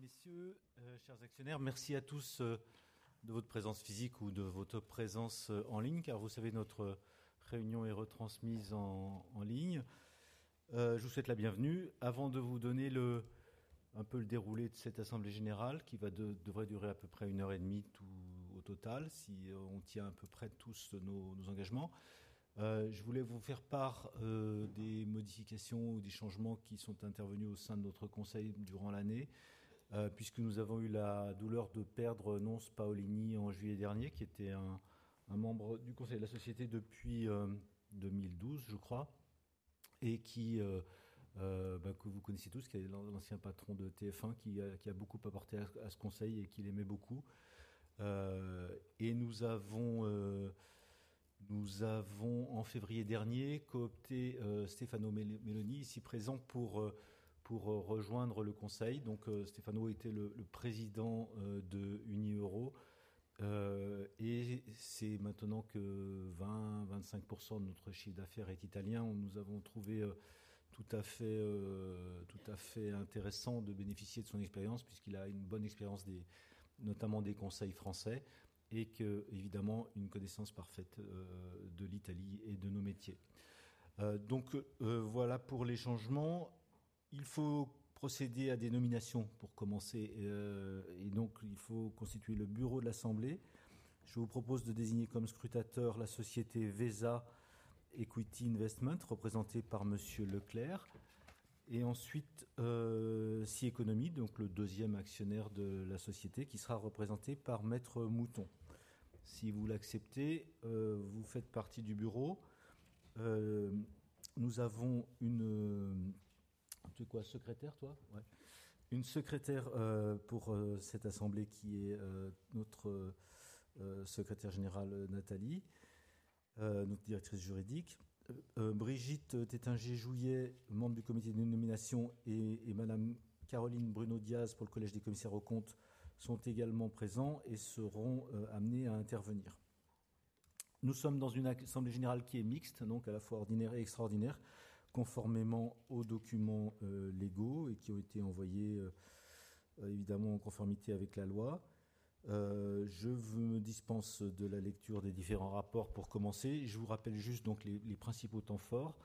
Mesdames, Messieurs, chers actionnaires, merci à tous de votre présence physique ou de votre présence en ligne, car vous savez, notre réunion est retransmise en ligne. Je vous souhaite la bienvenue. Avant de vous donner un peu le déroulé de cette assemblée générale qui devrait durer à peu près une heure et demie au total, si on tient à peu près tous nos engagements, je voulais vous faire part des modifications ou des changements qui sont intervenus au sein de notre conseil durant l'année, puisque nous avons eu la douleur de perdre Nonce Paolini en juillet dernier, qui était un membre du conseil de la société depuis 2012, je crois, et que vous connaissez tous, qui est l'ancien patron de TF1, qui a beaucoup apporté à ce conseil et qui l'aimait beaucoup. Nous avons, en février dernier, coopté Stéphane Meloni, ici présent, pour rejoindre le conseil. Donc, Stéphano était le président d'UniEuro, et c'est maintenant que 20-25% de notre chiffre d'affaires est italien. Nous avons trouvé tout à fait intéressant de bénéficier de son expérience, puisqu'il a une bonne expérience, notamment des conseils français, et évidemment une connaissance parfaite de l'Italie et de nos métiers. Voilà pour les changements. Il faut procéder à des nominations pour commencer, et donc il faut constituer le bureau de l'assemblée. Je vous propose de désigner comme scrutateur la société Vesa Equity Investment, représentée par Monsieur Leclerc, et ensuite Sy Economie, donc le deuxième actionnaire de la société, qui sera représenté par Maître Mouton. Si vous l'acceptez, vous faites partie du bureau. Nous avons une secrétaire, toi? Oui. Une secrétaire pour cette assemblée qui est notre secrétaire générale, Nathalie, notre directrice juridique. Brigitte Tettinger Jouyet, membre du comité de nomination, et Madame Caroline Bruno Diaz pour le collège des commissaires aux comptes sont également présents et seront amenés à intervenir. Nous sommes dans une assemblée générale qui est mixte, donc à la fois ordinaire et extraordinaire, conformément aux documents légaux et qui ont été envoyés, évidemment, en conformité avec la loi. Je me dispense de la lecture des différents rapports pour commencer. Je vous rappelle juste donc les principaux temps forts.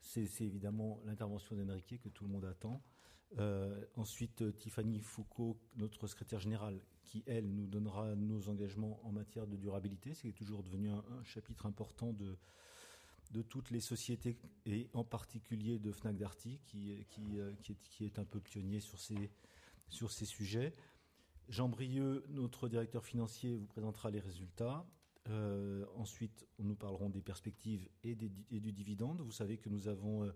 C'est évidemment l'intervention d'Enrique, que tout le monde attend. Ensuite, Tiffany Foucault, notre secrétaire générale, qui, elle, nous donnera nos engagements en matière de durabilité, ce qui est toujours devenu un chapitre important de toutes les sociétés, et en particulier de Fnac Darty, qui est un peu pionnier sur ces sujets. Jean Brieuc, notre directeur financier, vous présentera les résultats. Ensuite, nous parlerons des perspectives et du dividende. Vous savez que nous avons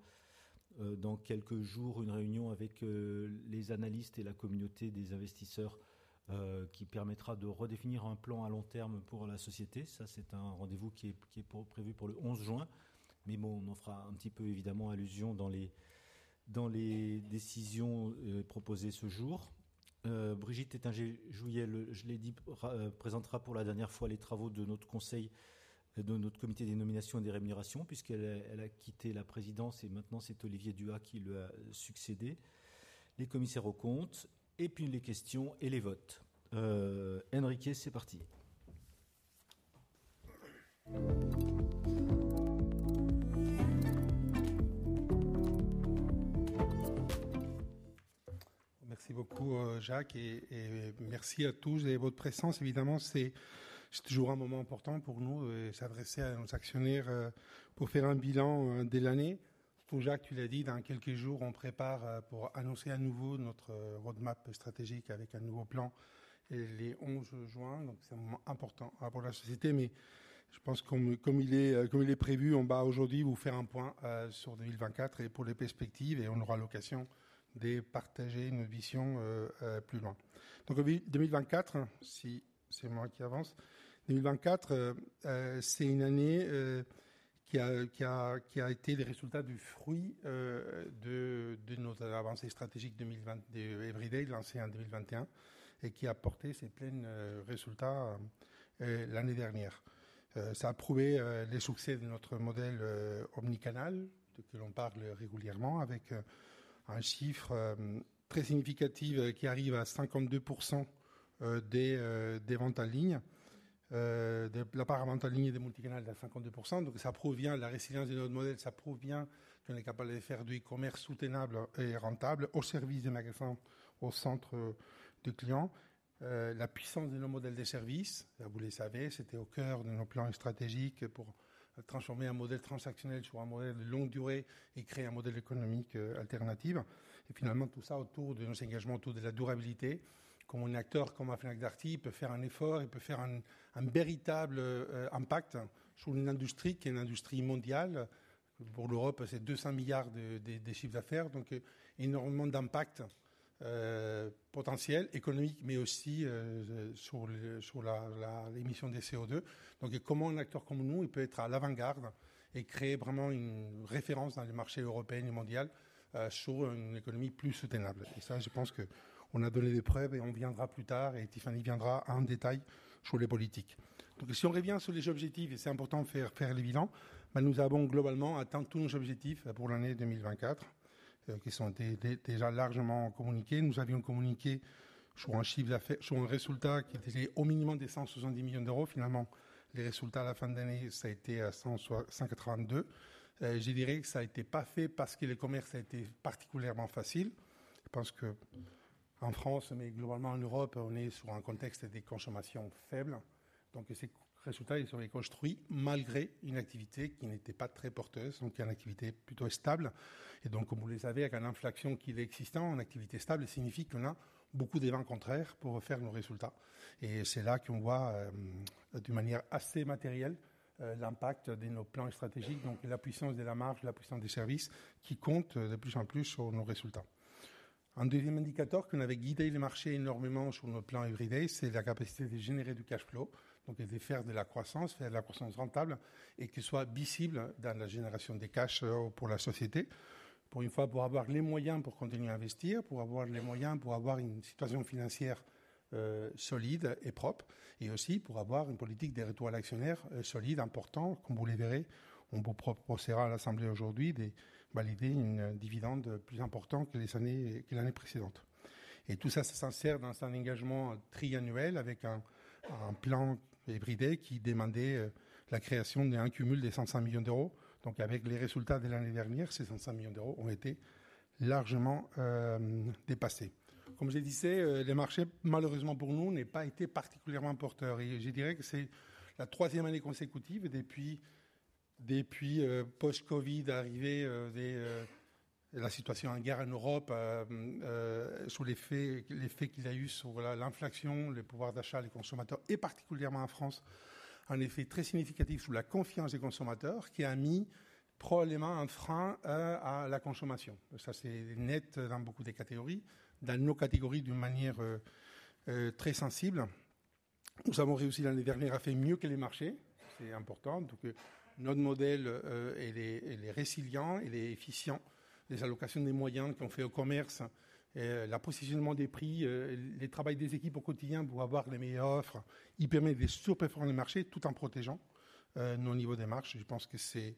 dans quelques jours une réunion avec les analystes et la communauté des investisseurs, qui permettra de redéfinir un plan à long terme pour la société. Ça, c'est un rendez-vous qui est prévu pour le 11 juin, mais nous en ferons un petit peu, évidemment, allusion dans les décisions proposées ce jour. Brigitte Tettinger Jouyet, je l'ai dit, présentera pour la dernière fois les travaux de notre comité des nominations et des rémunérations, puisqu'elle a quitté la présidence, et maintenant c'est Olivier Duhas qui lui a succédé. Les commissaires aux comptes, et puis les questions et les votes. Enrique, c'est parti. Merci beaucoup, Jacques, et merci à tous de votre présence. Évidemment, c'est toujours un moment important pour nous de s'adresser à nos actionnaires pour faire un bilan de l'année. Pour Jacques, tu l'as dit, dans quelques jours, on se prépare pour annoncer à nouveau notre roadmap stratégique avec un nouveau plan le 11 juin. Donc, c'est un moment important pour la société, mais je pense que comme il est prévu, on va aujourd'hui vous faire un point sur 2024 et pour les perspectives, et on aura l'occasion de partager nos visions plus loin. Donc, 2024, si c'est moi qui avance, 2024, c'est une année qui a été le résultat du fruit de nos avancées stratégiques de Everyday, lancées en 2021, et qui a porté ses pleins résultats l'année dernière. Ça a prouvé le succès de notre modèle omnicanal, dont on parle régulièrement, avec un chiffre très significatif qui arrive à 52% des ventes en ligne, de la part des ventes en ligne et des multicanales à 52%. Donc, ça provient de la résilience de notre modèle, ça provient qu'on est capable de faire du e-commerce soutenable et rentable au service des magasins, au centre du client. La puissance de nos modèles de services, vous le savez, c'était au cœur de nos plans stratégiques pour transformer un modèle transactionnel sur un modèle de longue durée et créer un modèle économique alternatif. Et finalement, tout ça autour de nos engagements autour de la durabilité. Comme on est acteur, comme Fnac Darty, il peut faire un effort, il peut faire un véritable impact sur une industrie qui est une industrie mondiale. Pour l'Europe, c'est €200 milliards de chiffre d'affaires, donc énormément d'impact potentiel économique, mais aussi sur l'émission de CO2. Comment un acteur comme nous peut être à l'avant-garde et créer vraiment une référence dans les marchés européens et mondiaux sur une économie plus soutenable? Je pense qu'on a donné des preuves et on viendra plus tard, et Tiffany viendra en détail sur les politiques. Si on revient sur les objectifs, et c'est important de faire le bilan, nous avons globalement atteint tous nos objectifs pour l'année 2024, qui sont déjà largement communiqués. Nous avions communiqué sur un résultat qui était au minimum de €170 millions. Finalement, les résultats à la fin de l'année, ça a été €182 millions. Je dirais que ça n'a pas été fait parce que le commerce a été particulièrement facile. Je pense qu'en France, mais globalement en Europe, on est sur un contexte de consommation faible. Donc, ces résultats, ils ont été construits malgré une activité qui n'était pas très porteuse, donc une activité plutôt stable. Et donc, comme vous le savez, avec une inflation qui est existante, une activité stable signifie qu'on a beaucoup d'éléments contraires pour faire nos résultats. Et c'est là qu'on voit, de manière assez matérielle, l'impact de nos plans stratégiques, donc la puissance de la marge, la puissance des services qui comptent de plus en plus sur nos résultats. Un deuxième indicateur qui avait guidé les marchés énormément sur nos plans Everyday, c'est la capacité de générer du cash flow, donc de faire de la croissance, faire de la croissance rentable, et qui soit visible dans la génération de cash pour la société. Pour une fois, pour avoir les moyens pour continuer à investir, pour avoir les moyens pour avoir une situation financière solide et propre, et aussi pour avoir une politique de retour à l'actionnaire solide, importante. Comme vous le verrez, on vous proposera à l'assemblée aujourd'hui de valider un dividende plus important que l'année précédente. Et tout ça s'insère dans un engagement triennal avec un plan Everyday qui demandait la création d'un cumul de €105 millions. Donc, avec les résultats de l'année dernière, ces €105 millions ont été largement dépassés. Comme je le disais, le marché, malheureusement pour nous, n'a pas été particulièrement porteur. Et je dirais que c'est la troisième année consécutive depuis post-Covid, arrivée de la situation en guerre en Europe, sur l'effet qu'il y a eu sur l'inflation, le pouvoir d'achat des consommateurs, et particulièrement en France, un effet très significatif sur la confiance des consommateurs, qui a mis probablement un frein à la consommation. Ça, c'est net dans beaucoup de catégories, dans nos catégories d'une manière très sensible. Nous avons réussi l'année dernière à faire mieux que les marchés, c'est important. Donc, notre modèle est résilient, il est efficient. Les allocations des moyens qu'on fait au commerce, le positionnement des prix, le travail des équipes au quotidien pour avoir les meilleures offres, il permet de surperformer le marché tout en protégeant nos niveaux de marge. Je pense que c'est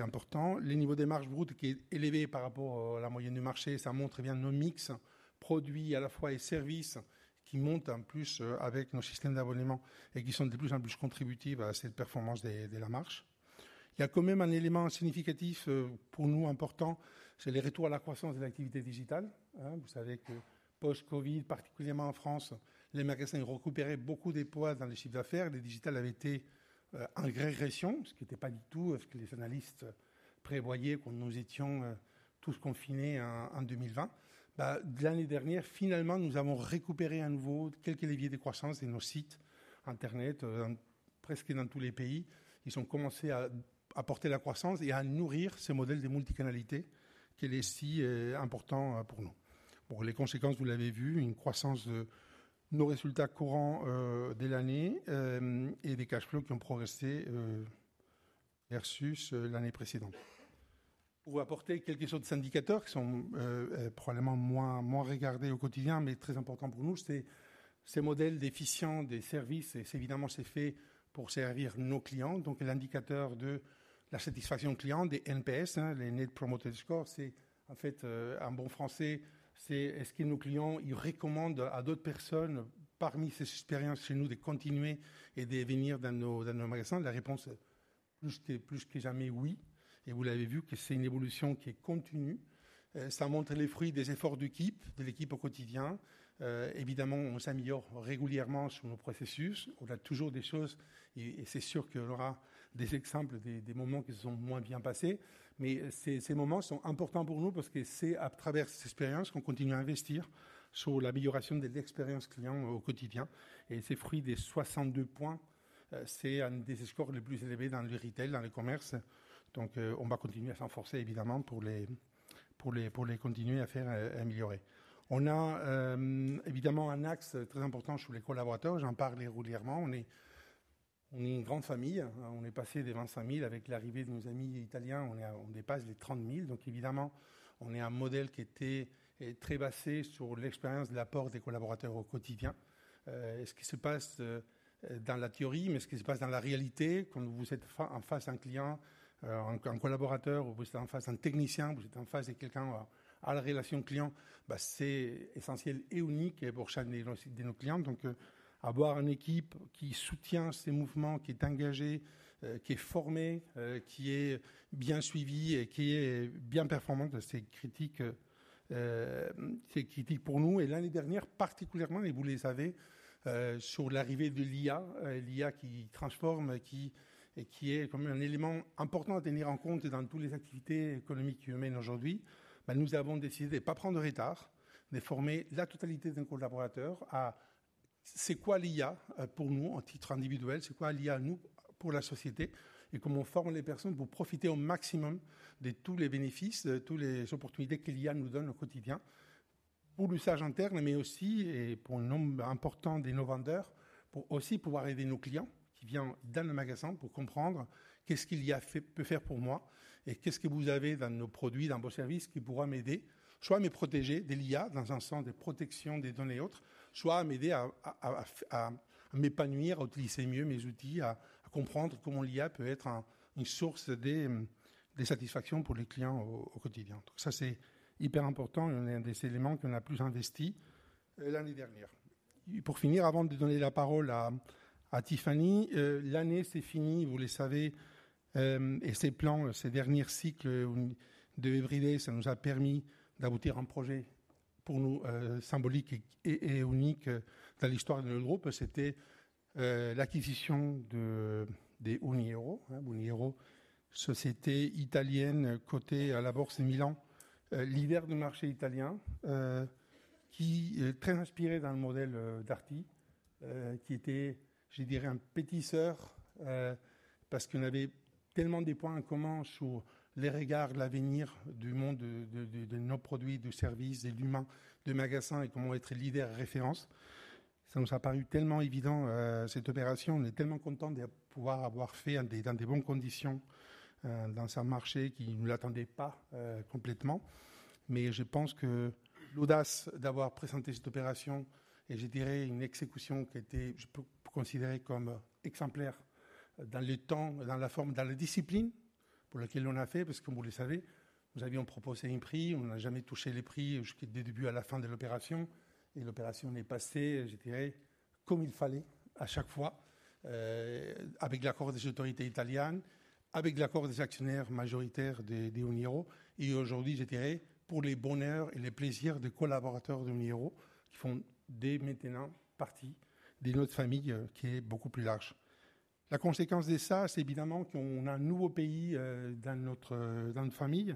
important. Le niveau de marge brute qui est élevé par rapport à la moyenne du marché, ça montre bien notre mix, produits à la fois et services, qui montent en plus avec nos systèmes d'abonnement, et qui sont de plus en plus contributifs à cette performance de la marche. Il y a quand même un élément significatif pour nous, important, c'est le retour à la croissance de l'activité digitale. Vous savez que post-Covid, particulièrement en France, les magasins ont récupéré beaucoup de poids dans le chiffre d'affaires, le digital avait été en régression, ce qui n'était pas du tout ce que les analystes prévoyaient, quand nous étions tous confinés en 2020. L'année dernière, finalement, nous avons récupéré à nouveau quelques leviers de croissance de nos sites Internet, presque dans tous les pays. Ils ont commencé à apporter la croissance et à nourrir ce modèle de multicanalité, qui est aussi important pour nous. Les conséquences, vous l'avez vu, une croissance de nos résultats courants de l'année et des cash flows qui ont progressé versus l'année précédente. Pour apporter quelques autres indicateurs qui sont probablement moins regardés au quotidien, mais très importants pour nous, c'est ce modèle d'efficience des services, et évidemment, c'est fait pour servir nos clients. Donc, l'indicateur de la satisfaction client, le NPS, le Net Promoter Score, c'est en fait en bon français, c'est: est-ce que nos clients recommandent à d'autres personnes, parmi ces expériences chez nous, de continuer et de venir dans nos magasins? La réponse, plus que jamais, oui. Vous l'avez vu, c'est une évolution qui est continue. Ça montre les fruits des efforts de l'équipe au quotidien. Évidemment, on s'améliore régulièrement sur nos processus. On a toujours des choses, et c'est sûr qu'on aura des exemples de moments qui se sont moins bien passés, mais ces moments sont importants pour nous, parce que c'est à travers ces expériences qu'on continue à investir sur l'amélioration de l'expérience client au quotidien. Et ces fruits de 62 points, c'est un des scores les plus élevés dans le retail, dans le commerce. Donc, on va continuer à s'efforcer, évidemment, pour continuer à les faire améliorer. On a évidemment un axe très important sur les collaborateurs, j'en parlais régulièrement. On est une grande famille, on est passé de 25 000 avec l'arrivée de nos amis italiens, on dépasse les 30 000. Donc, évidemment, on est un modèle qui était très basé sur l'expérience de l'apport des collaborateurs au quotidien. Ce qui se passe dans la théorie, mais ce qui se passe dans la réalité, quand vous êtes en face d'un client, un collaborateur, ou vous êtes en face d'un technicien, vous êtes en face de quelqu'un à la relation client, c'est essentiel et unique pour chacun de nos clients. Donc, avoir une équipe qui soutient ce mouvement, qui est engagée, qui est formée, qui est bien suivie et qui est bien performante, c'est critique pour nous. Et l'année dernière, particulièrement, et vous le savez, sur l'arrivée de l'IA, l'IA qui transforme, qui est quand même un élément important à tenir en compte dans toutes les activités économiques humaines aujourd'hui, nous avons décidé de ne pas prendre de retard, de former la totalité de nos collaborateurs à ce qu'est l'IA pour nous, en titre individuel, ce qu'est l'IA pour la société, et comment on forme les personnes pour profiter au maximum de tous les bénéfices, de toutes les opportunités que l'IA nous donne au quotidien, pour l'usage interne, mais aussi pour un nombre important de nos vendeurs, pour aussi pouvoir aider nos clients qui viennent dans le magasin pour comprendre qu'est-ce que l'IA peut faire pour moi, et qu'est-ce que vous avez dans nos produits, dans vos services, qui pourra m'aider, soit à me protéger de l'IA dans un sens de protection des données et autres, soit à m'aider à m'épanouir, à utiliser mieux mes outils, à comprendre comment l'IA peut être une source de satisfaction pour les clients au quotidien. Donc ça, c'est hyper important, et un des éléments qu'on a plus investis l'année dernière. Pour finir, avant de donner la parole à Tiffany, l'année s'est finie, vous le savez, et ces plans, ces derniers cycles de Everyday, ça nous a permis d'aboutir à un projet pour nous symbolique et unique dans l'histoire de notre groupe, c'était l'acquisition d'Unioro, société italienne cotée à la Bourse de Milan, leader du marché italien, qui est très inspiré dans le modèle Darty, qui était, je dirais, un précurseur, parce qu'on avait tellement de points en commun sur le regard de l'avenir du monde de nos produits, de services, de l'humain de magasin, et comment être leader référence. Ça nous a paru tellement évident, cette opération. On est tellement contents de pouvoir l'avoir faite dans de bonnes conditions dans un marché qui ne nous l'attendait pas complètement, mais je pense que l'audace d'avoir présenté cette opération, et je dirais une exécution qui a été, je peux la considérer comme exemplaire dans le temps, dans la forme, dans la discipline pour laquelle on l'a faite, parce que comme vous le savez, nous avions proposé un prix, on n'a jamais touché le prix du début à la fin de l'opération, et l'opération est passée, je dirais, comme il fallait à chaque fois, avec l'accord des autorités italiennes, avec l'accord des actionnaires majoritaires de Unioro, et aujourd'hui, je dirais, pour le bonheur et le plaisir des collaborateurs de Unioro, qui font dès maintenant partie de notre famille qui est beaucoup plus large. La conséquence de ça, c'est évidemment qu'on a un nouveau pays dans notre famille,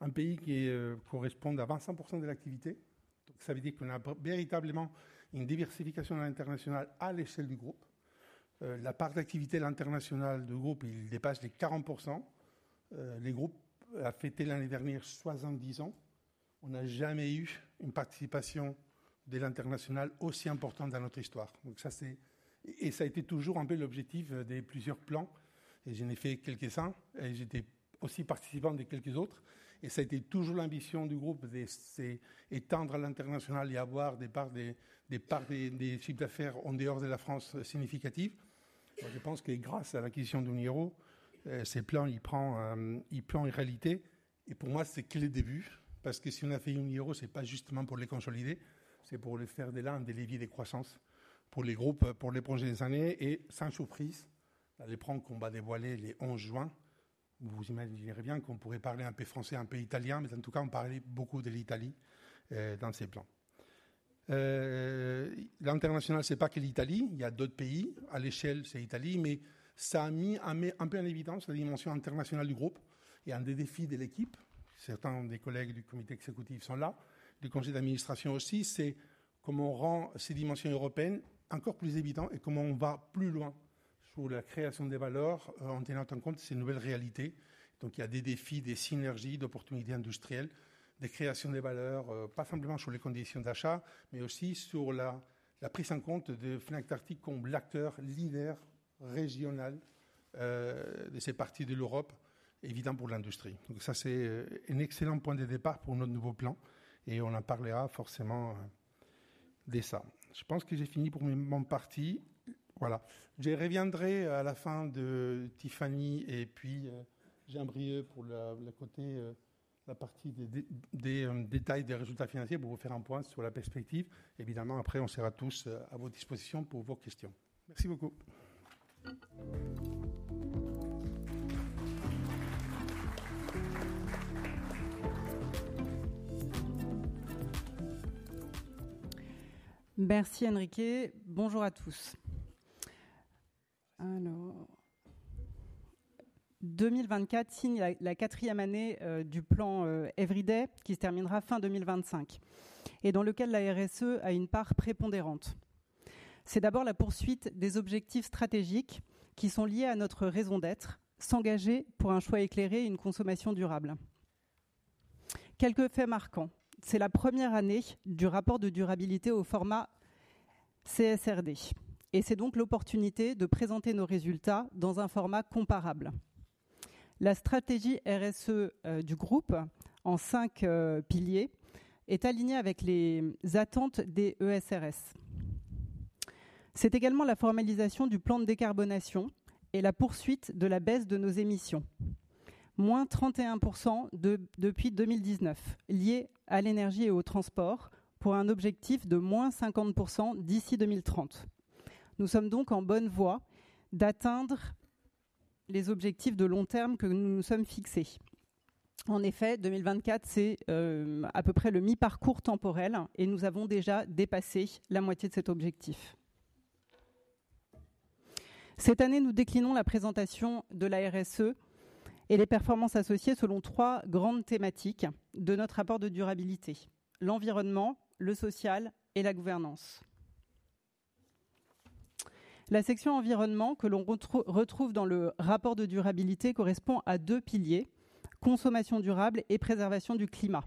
un pays qui correspond à 25% de l'activité, donc ça veut dire qu'on a véritablement une diversification à l'international à l'échelle du groupe. La part d'activité à l'international du groupe, elle dépasse les 40%. Le groupe a fêté l'année dernière 70 ans. On n'a jamais eu une participation de l'international aussi importante dans notre histoire. Donc ça, c'est... Ça a été toujours un peu l'objectif de plusieurs plans, et j'en ai fait quelques-uns, et j'étais aussi participant de quelques autres, et ça a été toujours l'ambition du groupe d'étendre à l'international et avoir des parts de chiffre d'affaires en dehors de la France significatives. Je pense que grâce à l'acquisition d'Unioro, ce plan, il prend réalité, et pour moi, c'est que le début, parce que si on a fait Unioro, ce n'est pas justement pour le consolider, c'est pour en faire un des leviers de croissance pour le groupe pour les prochaines années, et sans surprise, le plan qu'on va dévoiler le 11 juin, vous imaginerez bien qu'on pourrait parler un peu français, un peu italien, mais en tout cas, on parlera beaucoup de l'Italie dans ce plan. L'international, ce n'est pas que l'Italie, il y a d'autres pays. À l'échelle, c'est l'Italie, mais ça a mis un peu en évidence la dimension internationale du groupe, et un des défis de l'équipe. Certains des collègues du comité exécutif sont là, du conseil d'administration aussi. C'est comment rendre ces dimensions européennes encore plus évidentes, et comment on va plus loin sur la création de valeur en tenant compte de ces nouvelles réalités. Donc il y a des défis, des synergies, des opportunités industrielles, de création de valeurs, pas simplement sur les conditions d'achat, mais aussi sur la prise en compte de Fnac Darty comme l'acteur leader régional de cette partie de l'Europe, évident pour l'industrie. Donc ça, c'est un excellent point de départ pour notre nouveau plan, et on en parlera forcément de ça. Je pense que j'ai fini pour ma partie. Je reviendrai à la fin de Tiffany et puis Jean-Brieuc pour le côté, la partie des détails des résultats financiers pour vous faire un point sur la perspective. Évidemment, après, on sera tous à votre disposition pour vos questions. Merci beaucoup. Merci, Enrique. Bonjour à tous. Alors, 2024 signe la quatrième année du plan Everyday, qui se terminera fin 2025, et dans lequel la RSE a une part prépondérante. C'est d'abord la poursuite des objectifs stratégiques qui sont liés à notre raison d'être: s'engager pour un choix éclairé et une consommation durable. Quelques faits marquants. C'est la première année du rapport de durabilité au format CSRD, et c'est donc l'opportunité de présenter nos résultats dans un format comparable. La stratégie RSE du groupe, en cinq piliers, est alignée avec les attentes des ESRS. C'est également la formalisation du plan de décarbonation et la poursuite de la baisse de nos émissions, moins 31% depuis 2019, liée à l'énergie et aux transports, pour un objectif de moins 50% d'ici 2030. Nous sommes donc en bonne voie d'atteindre les objectifs de long terme que nous nous sommes fixés. En effet, 2024, c'est à peu près le mi-parcours temporel, et nous avons déjà dépassé la moitié de cet objectif. Cette année, nous déclinons la présentation de la RSE et les performances associées selon trois grandes thématiques de notre rapport de durabilité: l'environnement, le social et la gouvernance. La section environnement que l'on retrouve dans le rapport de durabilité correspond à deux piliers: consommation durable et préservation du climat.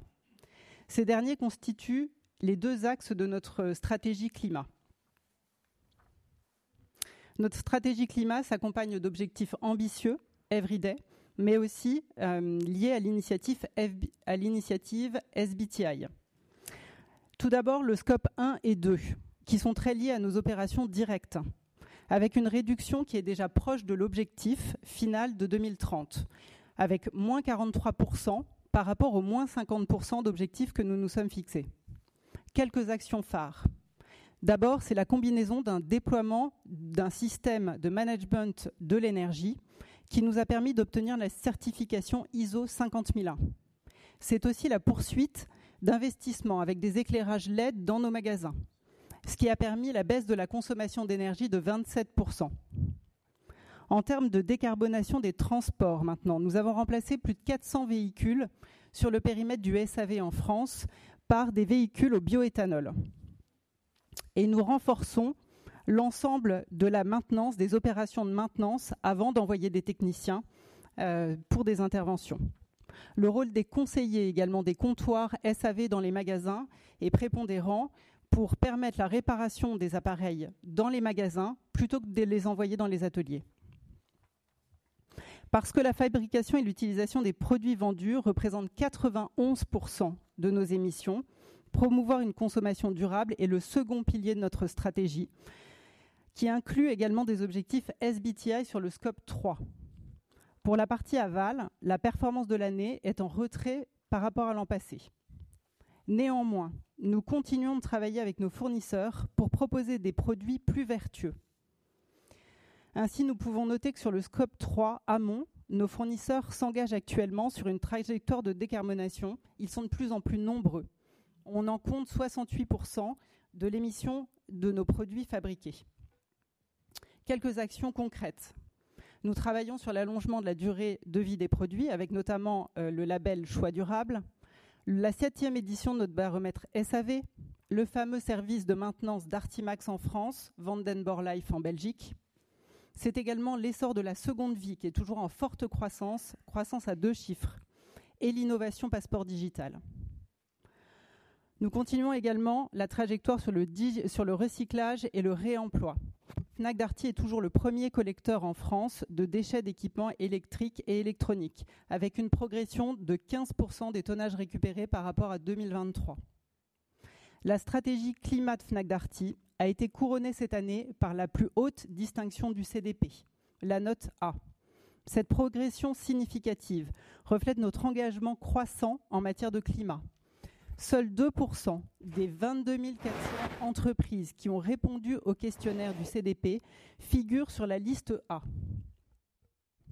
Ces derniers constituent les deux axes de notre stratégie climat. Notre stratégie climat s'accompagne d'objectifs ambitieux, mais aussi liés à l'initiative SBTi. Tout d'abord, le scope 1 et 2, qui sont très liés à nos opérations directes, avec une réduction qui est déjà proche de l'objectif final de 2030, avec moins 43% par rapport aux moins 50% d'objectifs que nous nous sommes fixés. Quelques actions phares. D'abord, c'est la combinaison d'un déploiement d'un système de management de l'énergie qui nous a permis d'obtenir la certification ISO 50001. C'est aussi la poursuite d'investissements avec des éclairages LED dans nos magasins, ce qui a permis la baisse de la consommation d'énergie de 27%. En termes de décarbonation des transports, maintenant, nous avons remplacé plus de 400 véhicules sur le périmètre du SAV en France par des véhicules au bioéthanol. Nous renforçons l'ensemble de la maintenance, des opérations de maintenance avant d'envoyer des techniciens pour des interventions. Le rôle des conseillers, également des comptoirs SAV dans les magasins, est prépondérant pour permettre la réparation des appareils dans les magasins plutôt que de les envoyer dans les ateliers. Parce que la fabrication et l'utilisation des produits vendus représentent 91% de nos émissions, promouvoir une consommation durable est le second pilier de notre stratégie, qui inclut également des objectifs SBTi sur le scope 3. Pour la partie aval, la performance de l'année est en retrait par rapport à l'an passé. Néanmoins, nous continuons de travailler avec nos fournisseurs pour proposer des produits plus vertueux. Ainsi, nous pouvons noter que sur le scope 3 amont, nos fournisseurs s'engagent actuellement sur une trajectoire de décarbonation. Ils sont de plus en plus nombreux. On en compte 68% de l'émission de nos produits fabriqués. Quelques actions concrètes. Nous travaillons sur l'allongement de la durée de vie des produits, avec notamment le label Choix Durable, la septième édition de notre baromètre SAV, le fameux service de maintenance Darty Max en France, VandenBor Life en Belgique. C'est également l'essor de la seconde vie, qui est toujours en forte croissance, croissance à deux chiffres, et l'innovation passeport digital. Nous continuons également la trajectoire sur le recyclage et le réemploi. Fnac Darty est toujours le premier collecteur en France de déchets d'équipements électriques et électroniques, avec une progression de 15% des tonnages récupérés par rapport à 2023. La stratégie climat de Fnac Darty a été couronnée cette année par la plus haute distinction du CDP, la note A. Cette progression significative reflète notre engagement croissant en matière de climat. Seuls 2% des 22 400 entreprises qui ont répondu au questionnaire du CDP figurent sur la liste A.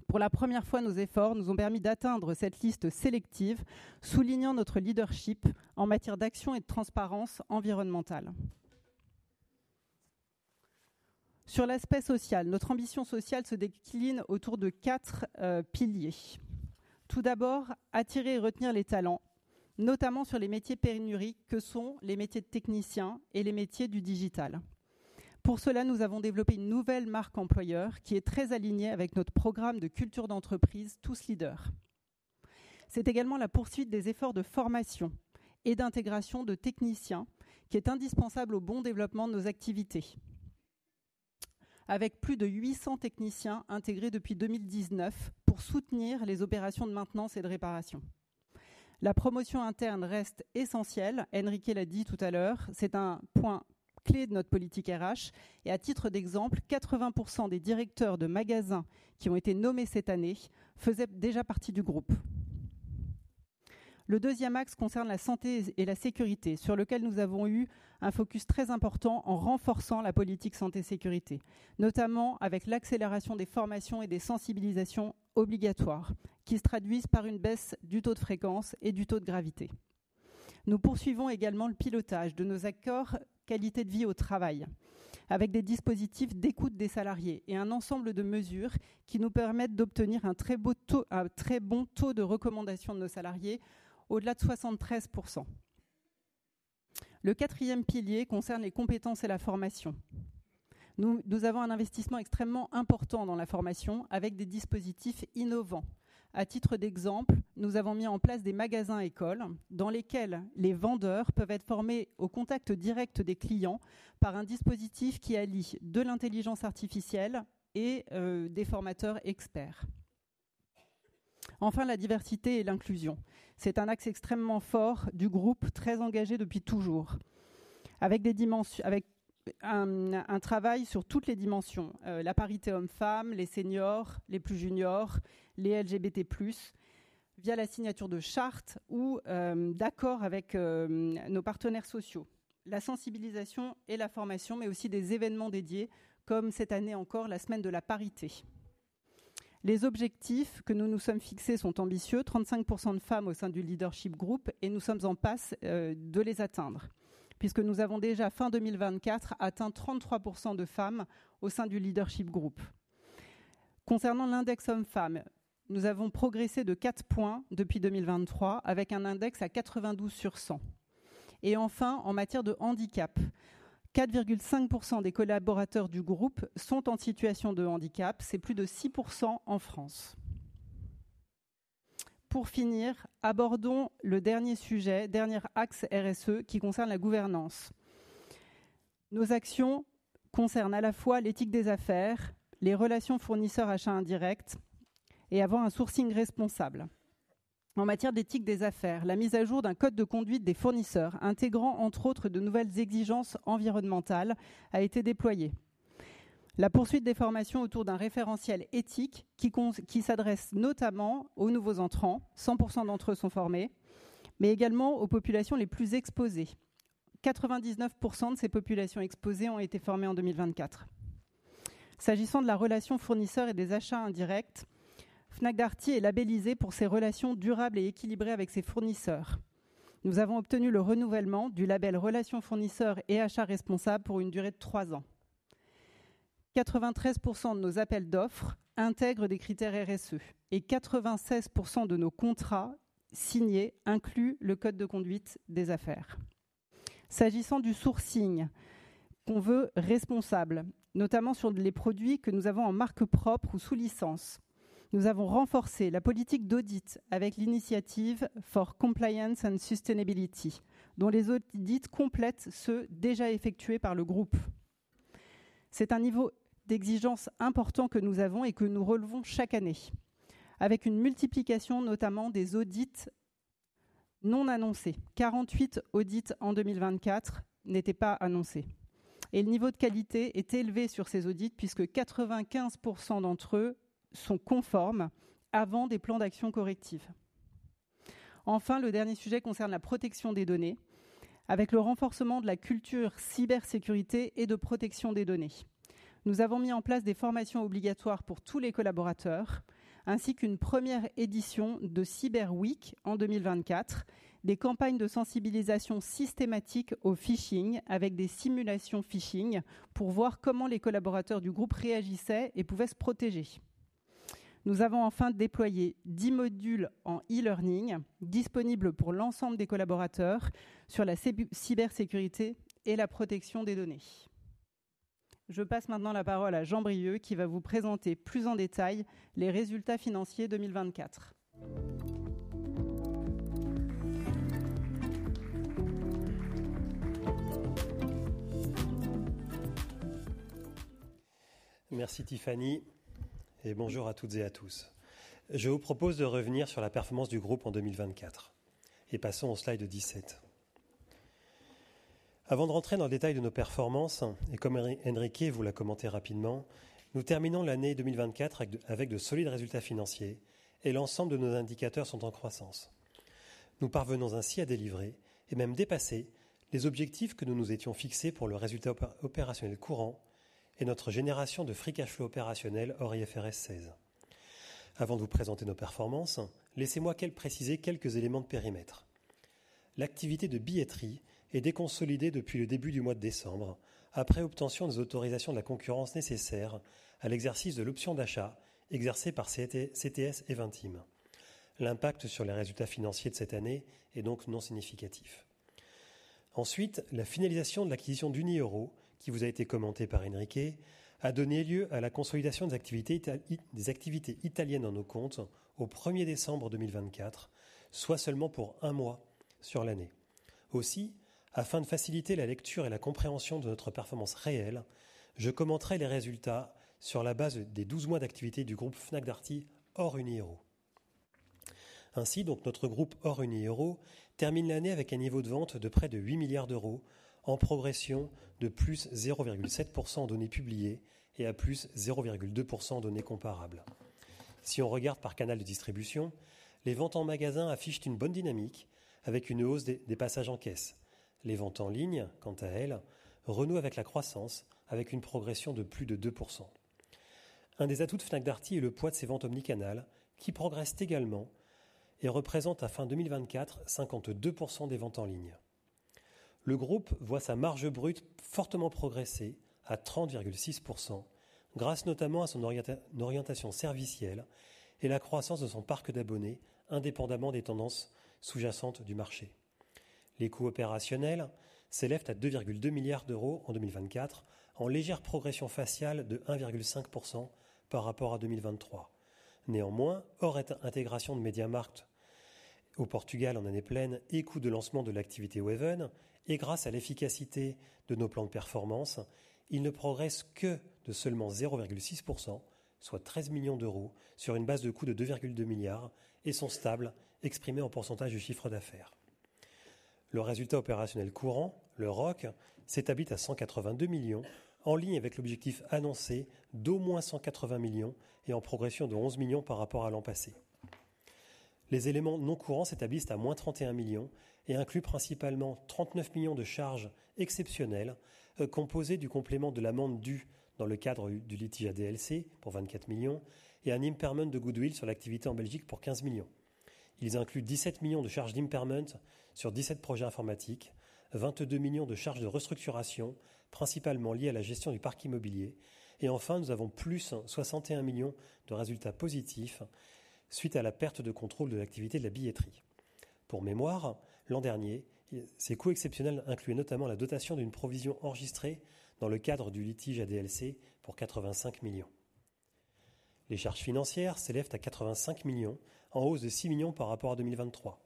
Pour la première fois, nos efforts nous ont permis d'atteindre cette liste sélective, soulignant notre leadership en matière d'action et de transparence environnementale. Sur l'aspect social, notre ambition sociale se décline autour de quatre piliers. Tout d'abord, attirer et retenir les talents, notamment sur les métiers pénuriques que sont les métiers de techniciens et les métiers du digital. Pour cela, nous avons développé une nouvelle marque employeur qui est très alignée avec notre programme de culture d'entreprise Tous Leaders. C'est également la poursuite des efforts de formation et d'intégration de techniciens qui est indispensable au bon développement de nos activités, avec plus de 800 techniciens intégrés depuis 2019 pour soutenir les opérations de maintenance et de réparation. La promotion interne reste essentielle, Enrique l'a dit tout à l'heure, c'est un point clé de notre politique RH, et à titre d'exemple, 80% des directeurs de magasin qui ont été nommés cette année faisaient déjà partie du groupe. Le deuxième axe concerne la santé et la sécurité, sur lequel nous avons eu un focus très important en renforçant la politique santé-sécurité, notamment avec l'accélération des formations et des sensibilisations obligatoires, qui se traduisent par une baisse du taux de fréquence et du taux de gravité. Nous poursuivons également le pilotage de nos accords qualité de vie au travail, avec des dispositifs d'écoute des salariés et un ensemble de mesures qui nous permettent d'obtenir un très bon taux de recommandation de nos salariés, au-delà de 73%. Le quatrième pilier concerne les compétences et la formation. Nous avons un investissement extrêmement important dans la formation, avec des dispositifs innovants. À titre d'exemple, nous avons mis en place des magasins-écoles dans lesquels les vendeurs peuvent être formés au contact direct des clients par un dispositif qui allie de l'intelligence artificielle et des formateurs experts. Enfin, la diversité et l'inclusion. C'est un axe extrêmement fort du groupe, très engagé depuis toujours, avec un travail sur toutes les dimensions: la parité homme-femme, les seniors, les plus juniors, les LGBT+, via la signature de chartes ou d'accords avec nos partenaires sociaux, la sensibilisation et la formation, mais aussi des événements dédiés, comme cette année encore la Semaine de la Parité. Les objectifs que nous nous sommes fixés sont ambitieux: 35% de femmes au sein du leadership groupe, et nous sommes en passe de les atteindre, puisque nous avons déjà, fin 2024, atteint 33% de femmes au sein du leadership groupe. Concernant l'index homme-femme, nous avons progressé de 4 points depuis 2023, avec un index à 92 sur 100. Enfin, en matière de handicap, 4,5% des collaborateurs du groupe sont en situation de handicap, c'est plus de 6% en France. Pour finir, abordons le dernier sujet, dernier axe RSE, qui concerne la gouvernance. Nos actions concernent à la fois l'éthique des affaires, les relations fournisseurs-achats indirects et avoir un sourcing responsable. En matière d'éthique des affaires, la mise à jour d'un code de conduite des fournisseurs, intégrant entre autres de nouvelles exigences environnementales, a été déployée. La poursuite des formations autour d'un référentiel éthique qui s'adresse notamment aux nouveaux entrants, 100% d'entre eux sont formés, mais également aux populations les plus exposées. 99% de ces populations exposées ont été formées en 2024. S'agissant de la relation fournisseur et des achats indirects, Fnac Darty est labellisé pour ses relations durables et équilibrées avec ses fournisseurs. Nous avons obtenu le renouvellement du label relation fournisseur et achats responsables pour une durée de trois ans. 93% de nos appels d'offres intègrent des critères RSE, et 96% de nos contrats signés incluent le code de conduite des affaires. S'agissant du sourcing qu'on veut responsable, notamment sur les produits que nous avons en marque propre ou sous licence, nous avons renforcé la politique d'audit avec l'Initiative for Compliance and Sustainability, dont les audits complètent ceux déjà effectués par le groupe. C'est un niveau d'exigence important que nous avons et que nous relevons chaque année, avec une multiplication notamment des audits non annoncés. 48 audits en 2024 n'étaient pas annoncés. Et le niveau de qualité est élevé sur ces audits, puisque 95% d'entre eux sont conformes avant des plans d'action correctifs. Enfin, le dernier sujet concerne la protection des données, avec le renforcement de la culture cybersécurité et de protection des données. Nous avons mis en place des formations obligatoires pour tous les collaborateurs, ainsi qu'une première édition de Cyber Week en 2024, des campagnes de sensibilisation systématique au phishing, avec des simulations phishing pour voir comment les collaborateurs du groupe réagissaient et pouvaient se protéger. Nous avons enfin déployé 10 modules en e-learning, disponibles pour l'ensemble des collaborateurs sur la cybersécurité et la protection des données. Je passe maintenant la parole à Jean Brieuc, qui va vous présenter plus en détail les résultats financiers 2024. Merci Tiffany, et bonjour à toutes et à tous. Je vous propose de revenir sur la performance du groupe en 2024. Et passons au slide 17. Avant de rentrer dans le détail de nos performances, et comme Enrique vous l'a commenté rapidement, nous terminons l'année 2024 avec de solides résultats financiers, et l'ensemble de nos indicateurs sont en croissance. Nous parvenons ainsi à délivrer, et même dépasser, les objectifs que nous nous étions fixés pour le résultat opérationnel courant et notre génération de free cash flow opérationnel hors IFRS 16. Avant de vous présenter nos performances, laissez-moi préciser quelques éléments de périmètre. L'activité de billetterie est déconsolidée depuis le début du mois de décembre, après obtention des autorisations de la concurrence nécessaires à l'exercice de l'option d'achat exercée par CTS et Vinteam. L'impact sur les résultats financiers de cette année est donc non significatif. Ensuite, la finalisation de l'acquisition d'Unioro, qui vous a été commentée par Enrique, a donné lieu à la consolidation des activités italiennes dans nos comptes au 1er décembre 2024, soit seulement pour un mois sur l'année. Aussi, afin de faciliter la lecture et la compréhension de notre performance réelle, je commenterai les résultats sur la base des 12 mois d'activité du groupe Fnac Darty hors Unioro. Ainsi, donc, notre groupe hors Unioro termine l'année avec un niveau de vente de près de €8 milliards, en progression de +0,7% aux données publiées et à +0,2% aux données comparables. Si on regarde par canal de distribution, les ventes en magasin affichent une bonne dynamique, avec une hausse des passages en caisse. Les ventes en ligne, quant à elles, renouent avec la croissance, avec une progression de plus de 2%. Un des atouts de Fnac Darty est le poids de ses ventes omnicanales, qui progressent également et représentent à fin 2024 52% des ventes en ligne. Le groupe voit sa marge brute fortement progresser à 30,6%, grâce notamment à son orientation servicielle et la croissance de son parc d'abonnés, indépendamment des tendances sous-jacentes du marché. Les coûts opérationnels s'élèvent à €2,2 milliards en 2024, en légère progression faciale de 1,5% par rapport à 2023. Néanmoins, hors intégration de Media Markt au Portugal en année pleine et coût de lancement de l'activité Waven, et grâce à l'efficacité de nos plans de performance, ils ne progressent que de seulement 0,6%, soit €13 millions, sur une base de coût de €2,2 milliards, et sont stables, exprimés en pourcentage du chiffre d'affaires. Le résultat opérationnel courant, le ROC, s'établit à 182 millions €, en ligne avec l'objectif annoncé d'au moins 180 millions € et en progression de 11 millions € par rapport à l'an passé. Les éléments non courants s'établissent à moins 31 millions € et incluent principalement 39 millions € de charges exceptionnelles, composées du complément de l'amende due dans le cadre du litige ADLC pour 24 millions €, et un impairment de goodwill sur l'activité en Belgique pour 15 millions €. Ils incluent 17 millions € de charges d'impairment sur 17 projets informatiques, 22 millions € de charges de restructuration, principalement liées à la gestion du parc immobilier, et enfin, nous avons plus 61 millions € de résultats positifs suite à la perte de contrôle de l'activité de la billetterie. Pour mémoire, l'an dernier, ces coûts exceptionnels incluaient notamment la dotation d'une provision enregistrée dans le cadre du litige ADLC pour 85 millions €. Les charges financières s'élèvent à 85 millions, en hausse de 6 millions par rapport à 2023.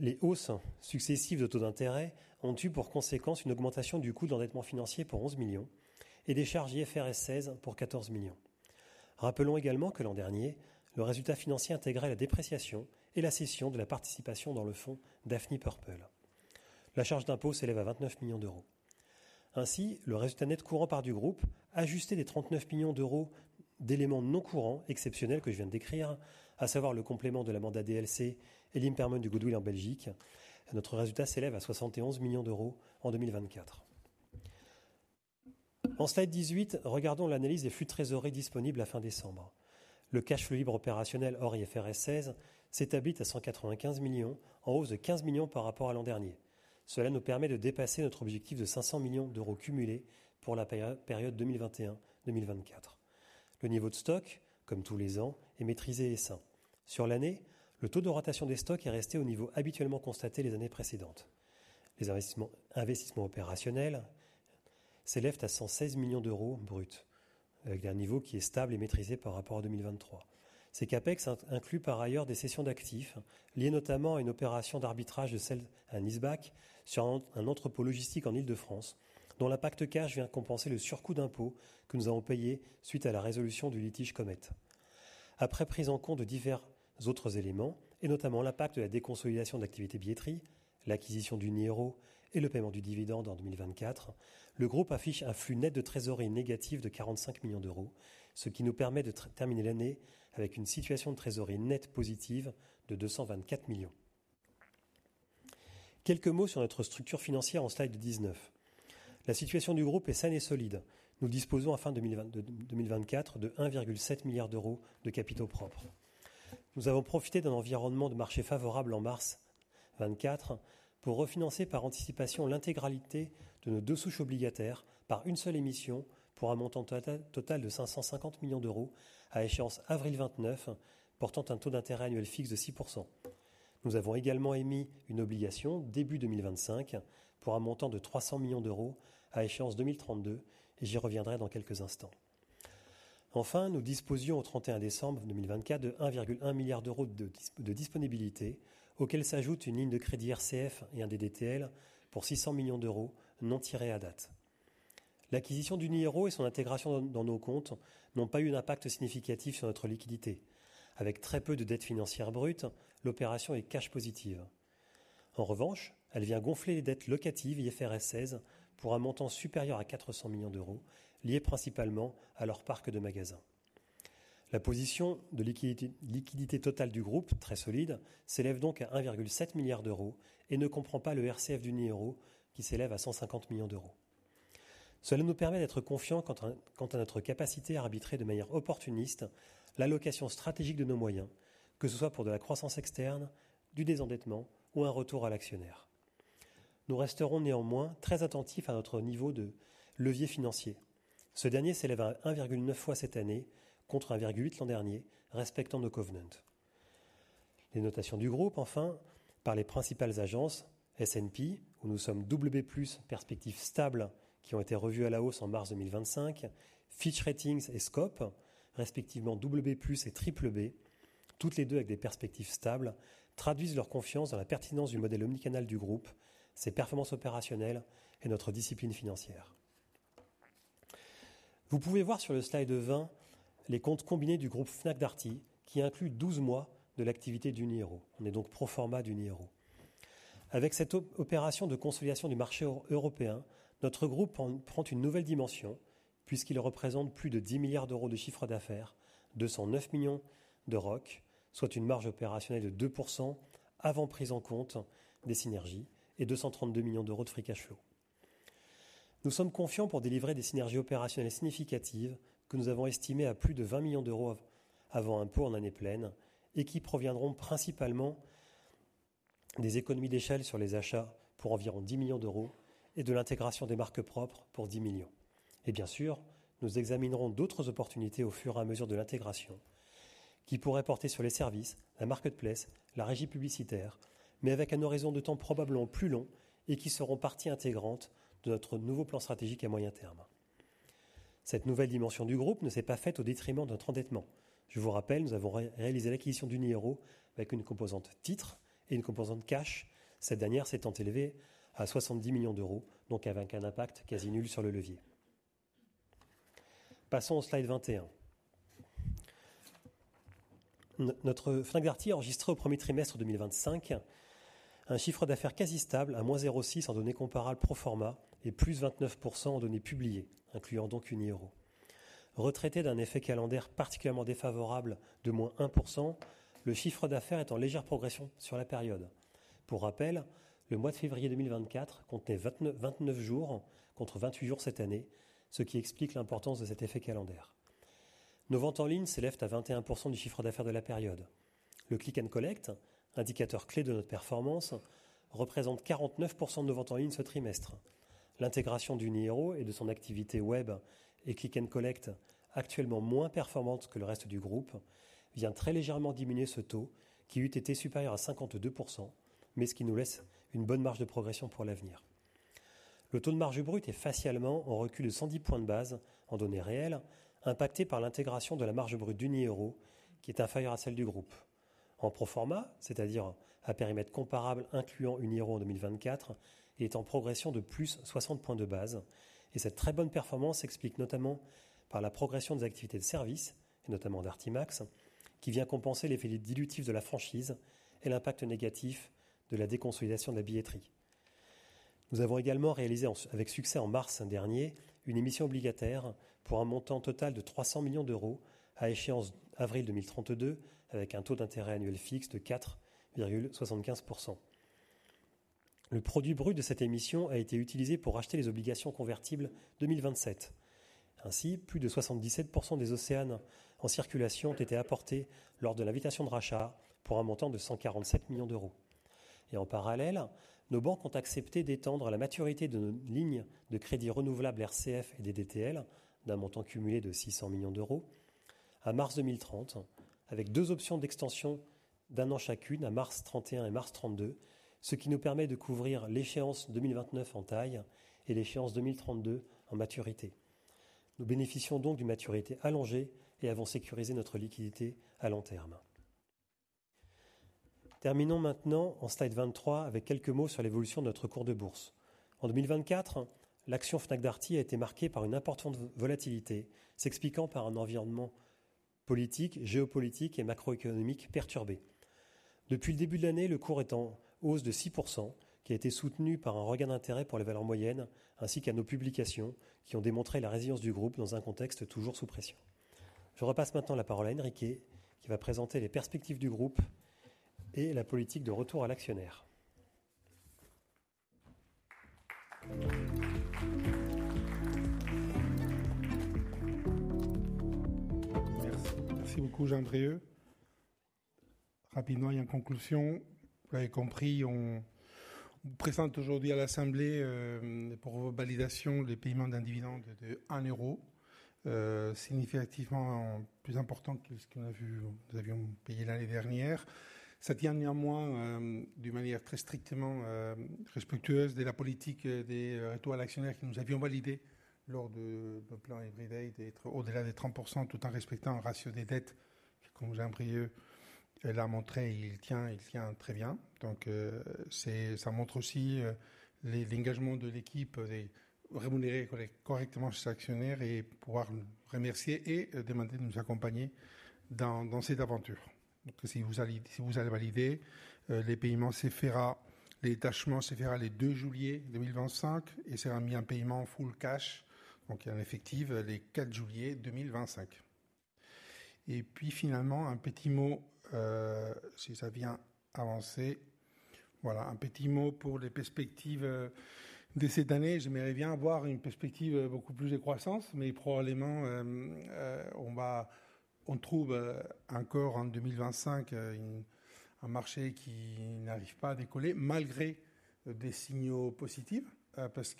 Les hausses successives de taux d'intérêt ont eu pour conséquence une augmentation du coût de l'endettement financier pour 11 millions, et des charges IFRS 16 pour 14 millions. Rappelons également que l'an dernier, le résultat financier intégrait la dépréciation et la cession de la participation dans le fonds Daphne Purple. La charge d'impôt s'élève à 29 millions d'euros. Ainsi, le résultat net courant part du groupe, ajusté des 39 millions d'euros d'éléments non courants exceptionnels que je viens de décrire, à savoir le complément de l'amende ADLC et l'impairment du goodwill en Belgique, notre résultat s'élève à 71 millions d'euros en 2024. En slide 18, regardons l'analyse des flux de trésorerie disponibles à fin décembre. Le cash flow libre opérationnel hors IFRS 16 s'établit à 195 millions €, en hausse de 15 millions € par rapport à l'an dernier. Cela nous permet de dépasser notre objectif de 500 millions € cumulés pour la période 2021-2024. Le niveau de stock, comme tous les ans, est maîtrisé et sain. Sur l'année, le taux de rotation des stocks est resté au niveau habituellement constaté les années précédentes. Les investissements opérationnels s'élèvent à 116 millions € bruts, avec un niveau qui est stable et maîtrisé par rapport à 2023. Ces CAPEX incluent par ailleurs des cessions d'actifs liées notamment à une opération d'arbitrage de celle à Nisbac, sur un entrepôt logistique en Île-de-France, dont l'impact cash vient compenser le surcoût d'impôt que nous avons payé suite à la résolution du litige Comet. Après prise en compte de divers autres éléments, et notamment l'impact de la déconsolidation de l'activité billetterie, l'acquisition d'Unioro et le paiement du dividende en 2024, le groupe affiche un flux net de trésorerie négatif de €45 millions, ce qui nous permet de terminer l'année avec une situation de trésorerie nette positive de €224 millions. Quelques mots sur notre structure financière en slide 19. La situation du groupe est saine et solide. Nous disposons à fin 2024 de €1,7 milliards de capitaux propres. Nous avons profité d'un environnement de marché favorable en mars 2024 pour refinancer par anticipation l'intégralité de nos deux souches obligataires par une seule émission, pour un montant total de €550 millions à échéance avril 2029, portant un taux d'intérêt annuel fixe de 6%. Nous avons également émis une obligation début 2025 pour un montant de €300 millions à échéance 2032, et j'y reviendrai dans quelques instants. Enfin, nous disposions au 31 décembre 2024 de €1,1 milliard de disponibilité, auxquels s'ajoutent une ligne de crédit RCF et un DDTL pour €600 millions non tirés à date. L'acquisition d'Unioro et son intégration dans nos comptes n'ont pas eu d'impact significatif sur notre liquidité. Avec très peu de dette financière brute, l'opération est cash positive. En revanche, elle vient gonfler les dettes locatives IFRS 16 pour un montant supérieur à €400 millions, lié principalement à leur parc de magasins. La position de liquidité totale du groupe, très solide, s'élève donc à €1,7 milliard et ne comprend pas le RCF d'Unioro, qui s'élève à €150 millions. Cela nous permet d'être confiants quant à notre capacité à arbitrer de manière opportuniste l'allocation stratégique de nos moyens, que ce soit pour de la croissance externe, du désendettement ou un retour à l'actionnaire. Nous resterons néanmoins très attentifs à notre niveau de levier financier. Ce dernier s'élève à 1,9 fois cette année contre 1,8 l'an dernier, respectant nos covenants. Les notations du groupe, enfin, par les principales agences: S&P, où nous sommes BB+, perspectives stables qui ont été revues à la hausse en mars 2025, Fitch Ratings et Scope, respectivement BB+ et BBB, toutes les deux avec des perspectives stables, traduisent leur confiance dans la pertinence du modèle omnicanal du groupe, ses performances opérationnelles et notre discipline financière. Vous pouvez voir sur le slide 20 les comptes combinés du groupe Fnac Darty, qui incluent 12 mois de l'activité d'Unioro. On est donc pro forma d'Unioro. Avec cette opération de consolidation du marché européen, notre groupe prend une nouvelle dimension, puisqu'il représente plus de €10 milliards de chiffre d'affaires, €209 millions de ROC, soit une marge opérationnelle de 2% avant prise en compte des synergies et €232 millions de free cash flow. Nous sommes confiants pour délivrer des synergies opérationnelles significatives que nous avons estimées à plus de €20 millions avant impôts en année pleine, et qui proviendront principalement des économies d'échelle sur les achats pour environ €10 millions et de l'intégration des marques propres pour €10 millions. Et bien sûr, nous examinerons d'autres opportunités au fur et à mesure de l'intégration, qui pourraient porter sur les services, la marketplace, la régie publicitaire, mais avec un horizon de temps probablement plus long et qui seront parties intégrantes de notre nouveau plan stratégique à moyen terme. Cette nouvelle dimension du groupe ne s'est pas faite au détriment de notre endettement. Je vous rappelle, nous avons réalisé l'acquisition d'Unioro avec une composante titre et une composante cash. Cette dernière s'étant élevée à 70 millions d'euros, donc avec un impact quasi nul sur le levier. Passons au slide 21. Notre Fnac Darty a enregistré au premier trimestre 2025 un chiffre d'affaires quasi stable à -0,6% en données comparables pro forma et +29% en données publiées, incluant donc Unioro. Retraité d'un effet calendaire particulièrement défavorable de -1%, le chiffre d'affaires est en légère progression sur la période. Pour rappel, le mois de février 2024 contenait 29 jours contre 28 jours cette année, ce qui explique l'importance de cet effet calendaire. Nos ventes en ligne s'élèvent à 21% du chiffre d'affaires de la période. Le click and collect, indicateur clé de notre performance, représente 49% de nos ventes en ligne ce trimestre. L'intégration d'Unioro et de son activité web et click and collect, actuellement moins performante que le reste du groupe, vient très légèrement diminuer ce taux, qui eût été supérieur à 52%, mais ce qui nous laisse une bonne marge de progression pour l'avenir. Le taux de marge brute est facialement en recul de 110 points de base en données réelles, impacté par l'intégration de la marge brute d'Unioro, qui est inférieure à celle du groupe. En pro forma, c'est-à-dire à périmètre comparable incluant Unioro en 2024, il est en progression de plus 60 points de base, et cette très bonne performance s'explique notamment par la progression des activités de services, et notamment Darty Max, qui vient compenser l'effet dilutif de la franchise et l'impact négatif de la déconsolidation de la billetterie. Nous avons également réalisé avec succès en mars dernier une émission obligataire pour un montant total de €300 millions à échéance avril 2032, avec un taux d'intérêt annuel fixe de 4,75%. Le produit brut de cette émission a été utilisé pour racheter les obligations convertibles 2027. Ainsi, plus de 77% des océans en circulation ont été apportés lors de l'invitation de rachat pour un montant de €147 millions. Et en parallèle, nos banques ont accepté d'étendre la maturité de nos lignes de crédit renouvelable RCF et DDTL, d'un montant cumulé de €600 millions, à mars 2030, avec deux options d'extension d'un an chacune, à mars 2031 et mars 2032, ce qui nous permet de couvrir l'échéance 2029 en taille et l'échéance 2032 en maturité. Nous bénéficions donc d'une maturité allongée et avons sécurisé notre liquidité à long terme. Terminons maintenant en slide 23 avec quelques mots sur l'évolution de notre cours de bourse. En 2024, l'action Fnac Darty a été marquée par une importante volatilité, s'expliquant par un environnement politique, géopolitique et macroéconomique perturbé. Depuis le début de l'année, le cours est en hausse de 6%, qui a été soutenu par un regain d'intérêt pour les valeurs moyennes, ainsi qu'à nos publications, qui ont démontré la résilience du groupe dans un contexte toujours sous pression. Je repasse maintenant la parole à Enrique, qui va présenter les perspectives du groupe et la politique de retour à l'actionnaire. Merci beaucoup, Jean Drieuc. Rapidement et en conclusion, vous l'avez compris, on présente aujourd'hui à l'Assemblée pour validation le paiement d'un dividende de €1, significativement plus important que ce que nous avions payé l'année dernière. Ça tient néanmoins d'une manière très strictement respectueuse de la politique de retour à l'actionnaire que nous avions validée lors du plan Everyday, d'être au-delà des 30% tout en respectant le ratio des dettes, comme Jean Drieuc l'a montré, il tient très bien. Donc, ça montre aussi l'engagement de l'équipe de rémunérer correctement ses actionnaires et pouvoir remercier et demander de nous accompagner dans cette aventure. Donc, si vous allez valider, le paiement se fera le 2 juillet 2025 et sera mis en paiement en full cash, donc en effectif, le 4 juillet 2025. Et puis finalement, un petit mot, si ça vient avancer, voilà, un petit mot pour les perspectives de cette année. J'aimerais bien avoir une perspective beaucoup plus de croissance, mais probablement on va trouver encore en 2025 un marché qui n'arrive pas à décoller, malgré des signaux positifs, parce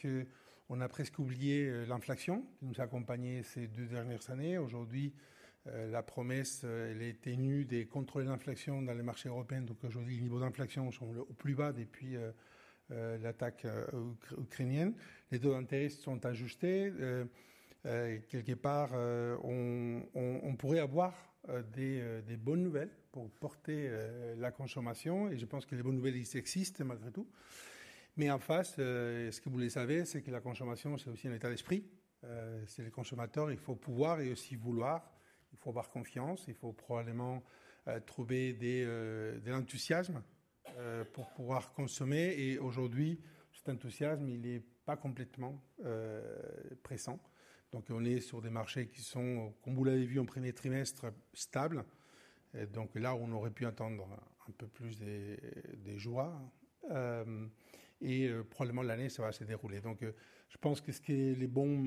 qu'on a presque oublié l'inflation qui nous a accompagnés ces deux dernières années. Aujourd'hui, la promesse est tenue de contrôler l'inflation dans les marchés européens, donc aujourd'hui les niveaux d'inflation sont au plus bas depuis l'attaque ukrainienne. Les taux d'intérêt sont ajustés. Quelque part, on pourrait avoir des bonnes nouvelles pour porter la consommation, et je pense que les bonnes nouvelles existent malgré tout. Mais en face, ce que vous le savez, c'est que la consommation, c'est aussi un état d'esprit. C'est les consommateurs, il faut pouvoir et aussi vouloir, il faut avoir confiance, il faut probablement trouver de l'enthousiasme pour pouvoir consommer. Et aujourd'hui, cet enthousiasme, il n'est pas complètement présent. Donc, on est sur des marchés qui sont, comme vous l'avez vu au premier trimestre, stables. Donc là, on aurait pu attendre un peu plus de joie. Et probablement, l'année ça va se dérouler. Donc, je pense que ce qui est le bon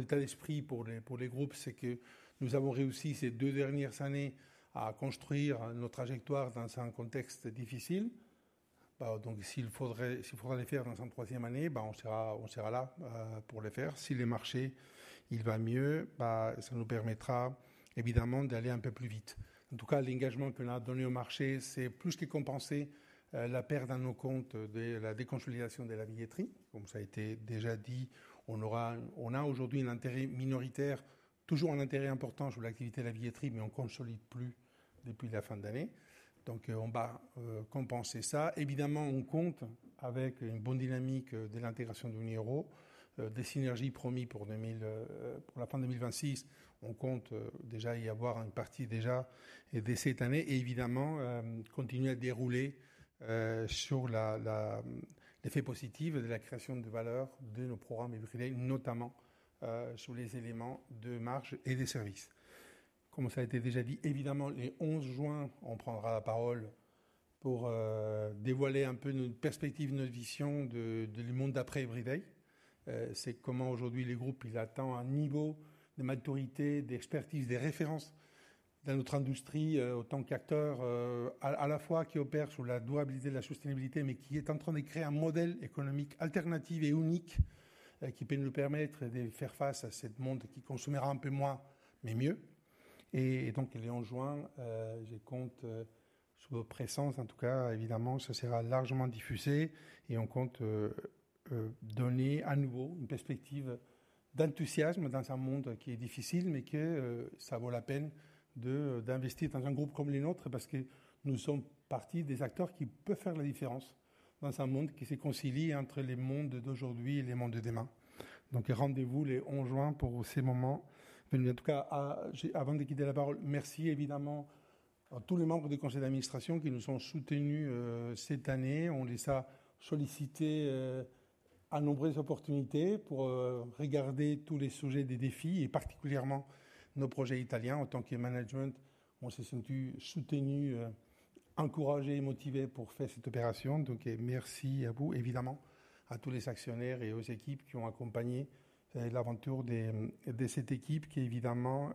état d'esprit pour les groupes, c'est que nous avons réussi ces deux dernières années à construire notre trajectoire dans un contexte difficile. Donc, s'il faudra le faire dans une troisième année, on sera là pour le faire. Si le marché va mieux, ça nous permettra évidemment d'aller un peu plus vite. En tout cas, l'engagement qu'on a donné au marché, c'est plus que compenser la perte dans nos comptes de la déconsolidation de la billetterie. Comme ça a été déjà dit, on a aujourd'hui un intérêt minoritaire, toujours un intérêt important sur l'activité de la billetterie, mais on ne consolide plus depuis la fin de l'année. Donc, on va compenser ça. Évidemment, on compte avec une bonne dynamique de l'intégration d'Unioro, des synergies promises pour la fin 2026. On compte déjà y avoir une partie déjà de cette année et évidemment continuer à dérouler sur l'effet positif de la création de valeur de nos programmes Everyday, notamment sur les éléments de marge et de services. Comme ça a été déjà dit, évidemment, le 11 juin, on prendra la parole pour dévoiler un peu nos perspectives, nos visions du monde d'après Everyday. C'est comment aujourd'hui le groupe atteint un niveau de maturité, d'expertise, de référence dans notre industrie, en tant qu'acteur à la fois qui opère sur la durabilité, la sustainabilité, mais qui est en train de créer un modèle économique alternatif et unique qui peut nous permettre de faire face à ce monde qui consommera un peu moins, mais mieux. Et donc, le 11 juin, je compte sur votre présence. En tout cas, évidemment, ça sera largement diffusé et on compte donner à nouveau une perspective d'enthousiasme dans un monde qui est difficile, mais que ça vaut la peine d'investir dans un groupe comme le nôtre, parce que nous sommes partie des acteurs qui peuvent faire la différence dans un monde qui se concilie entre les mondes d'aujourd'hui et les mondes de demain. Donc, rendez-vous le 11 juin pour ce moment. En tout cas, avant de quitter la parole, merci évidemment à tous les membres du conseil d'administration qui nous ont soutenus cette année. On les a sollicités à nombreuses opportunités pour regarder tous les sujets des défis et particulièrement nos projets italiens. En tant que management, on s'est sentis soutenus, encouragés et motivés pour faire cette opération. Donc, merci à vous, évidemment, à tous les actionnaires et aux équipes qui ont accompagné l'aventure de cette équipe qui, évidemment,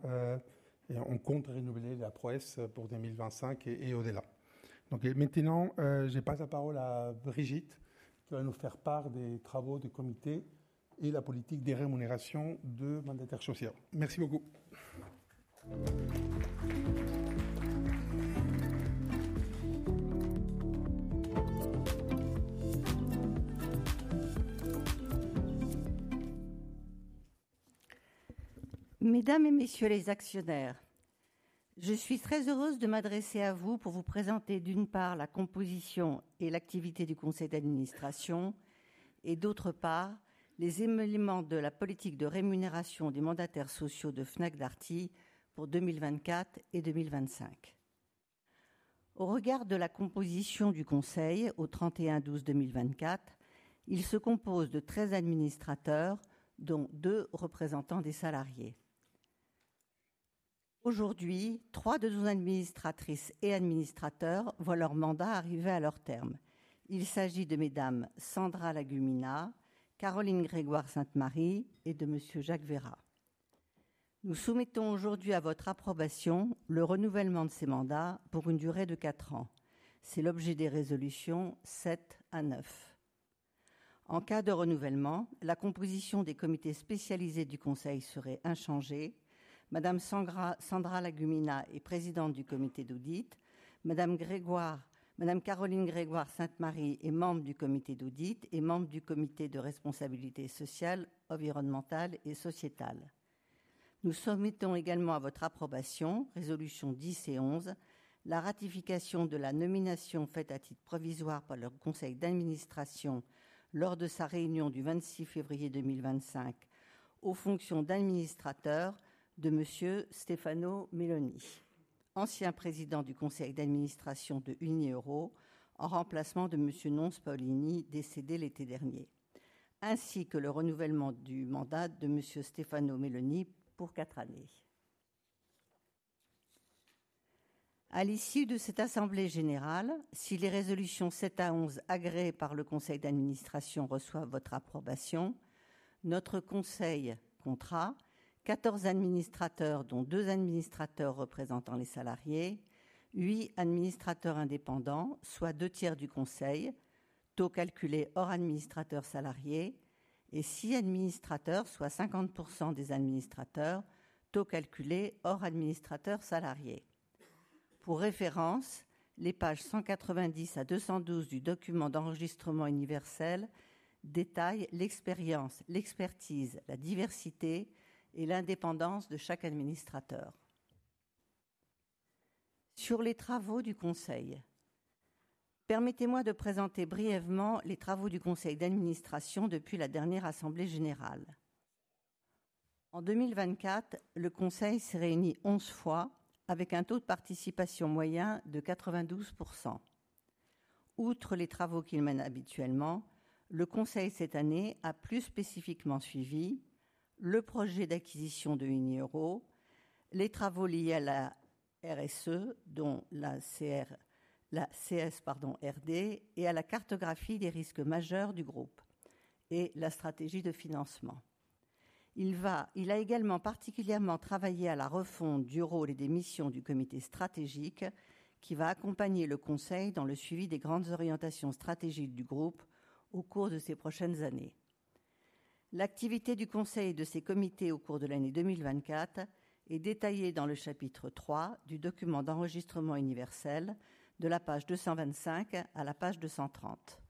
on compte renouveler la prouesse pour 2025 et au-delà. Donc, maintenant, je passe la parole à Brigitte, qui va nous faire part des travaux du comité et la politique de rémunération de mandataires sociaux. Merci beaucoup. Mesdames et messieurs les actionnaires, je suis très heureuse de m'adresser à vous pour vous présenter, d'une part, la composition et l'activité du conseil d'administration, et d'autre part, les éléments de la politique de rémunération des mandataires sociaux de Fnac Darty pour 2024 et 2025. Au regard de la composition du conseil au 31 décembre 2024, il se compose de 13 administrateurs, dont deux représentants des salariés. Aujourd'hui, trois de nos administratrices et administrateurs voient leur mandat arriver à leur terme. Il s'agit de Mesdames Sandra Lagumina, Caroline Grégoire Sainte-Marie et de Monsieur Jacques Verrat. Nous soumettons aujourd'hui à votre approbation le renouvellement de ces mandats pour une durée de quatre ans. C'est l'objet des résolutions 7 à 9. En cas de renouvellement, la composition des comités spécialisés du conseil serait inchangée. Madame Sandra Lagumina est présidente du comité d'audit, madame Caroline Grégoire Sainte-Marie est membre du comité d'audit et membre du comité de responsabilité sociale, environnementale et sociétale. Nous soumettons également à votre approbation, résolutions 10 et 11, la ratification de la nomination faite à titre provisoire par le conseil d'administration lors de sa réunion du 26 février 2025 aux fonctions d'administrateur de monsieur Stefano Meloni, ancien président du conseil d'administration d'Unioro, en remplacement de monsieur Nons Paolini, décédé l'été dernier, ainsi que le renouvellement du mandat de monsieur Stefano Meloni pour quatre années. À l'issue de cette assemblée générale, si les résolutions 7 à 11 agréées par le conseil d'administration reçoivent votre approbation, notre conseil comptera 14 administrateurs, dont deux administrateurs représentant les salariés, huit administrateurs indépendants, soit deux tiers du conseil, taux calculé hors administrateurs salariés, et six administrateurs, soit 50% des administrateurs, taux calculé hors administrateurs salariés. Pour référence, les pages 190 à 212 du document d'enregistrement universel détaillent l'expérience, l'expertise, la diversité et l'indépendance de chaque administrateur. Sur les travaux du conseil, permettez-moi de présenter brièvement les travaux du conseil d'administration depuis la dernière assemblée générale. En 2024, le conseil s'est réuni 11 fois avec un taux de participation moyen de 92%. Outre les travaux qu'il mène habituellement, le conseil cette année a plus spécifiquement suivi le projet d'acquisition d'Unioro, les travaux liés à la RSE, dont la CSRD, et à la cartographie des risques majeurs du groupe et la stratégie de financement. Il a également particulièrement travaillé à la refonte du rôle et des missions du comité stratégique, qui va accompagner le conseil dans le suivi des grandes orientations stratégiques du groupe au cours de ces prochaines années. L'activité du conseil et de ses comités au cours de l'année 2024 est détaillée dans le chapitre 3 du document d'enregistrement universel, de la page 225 à la page 230.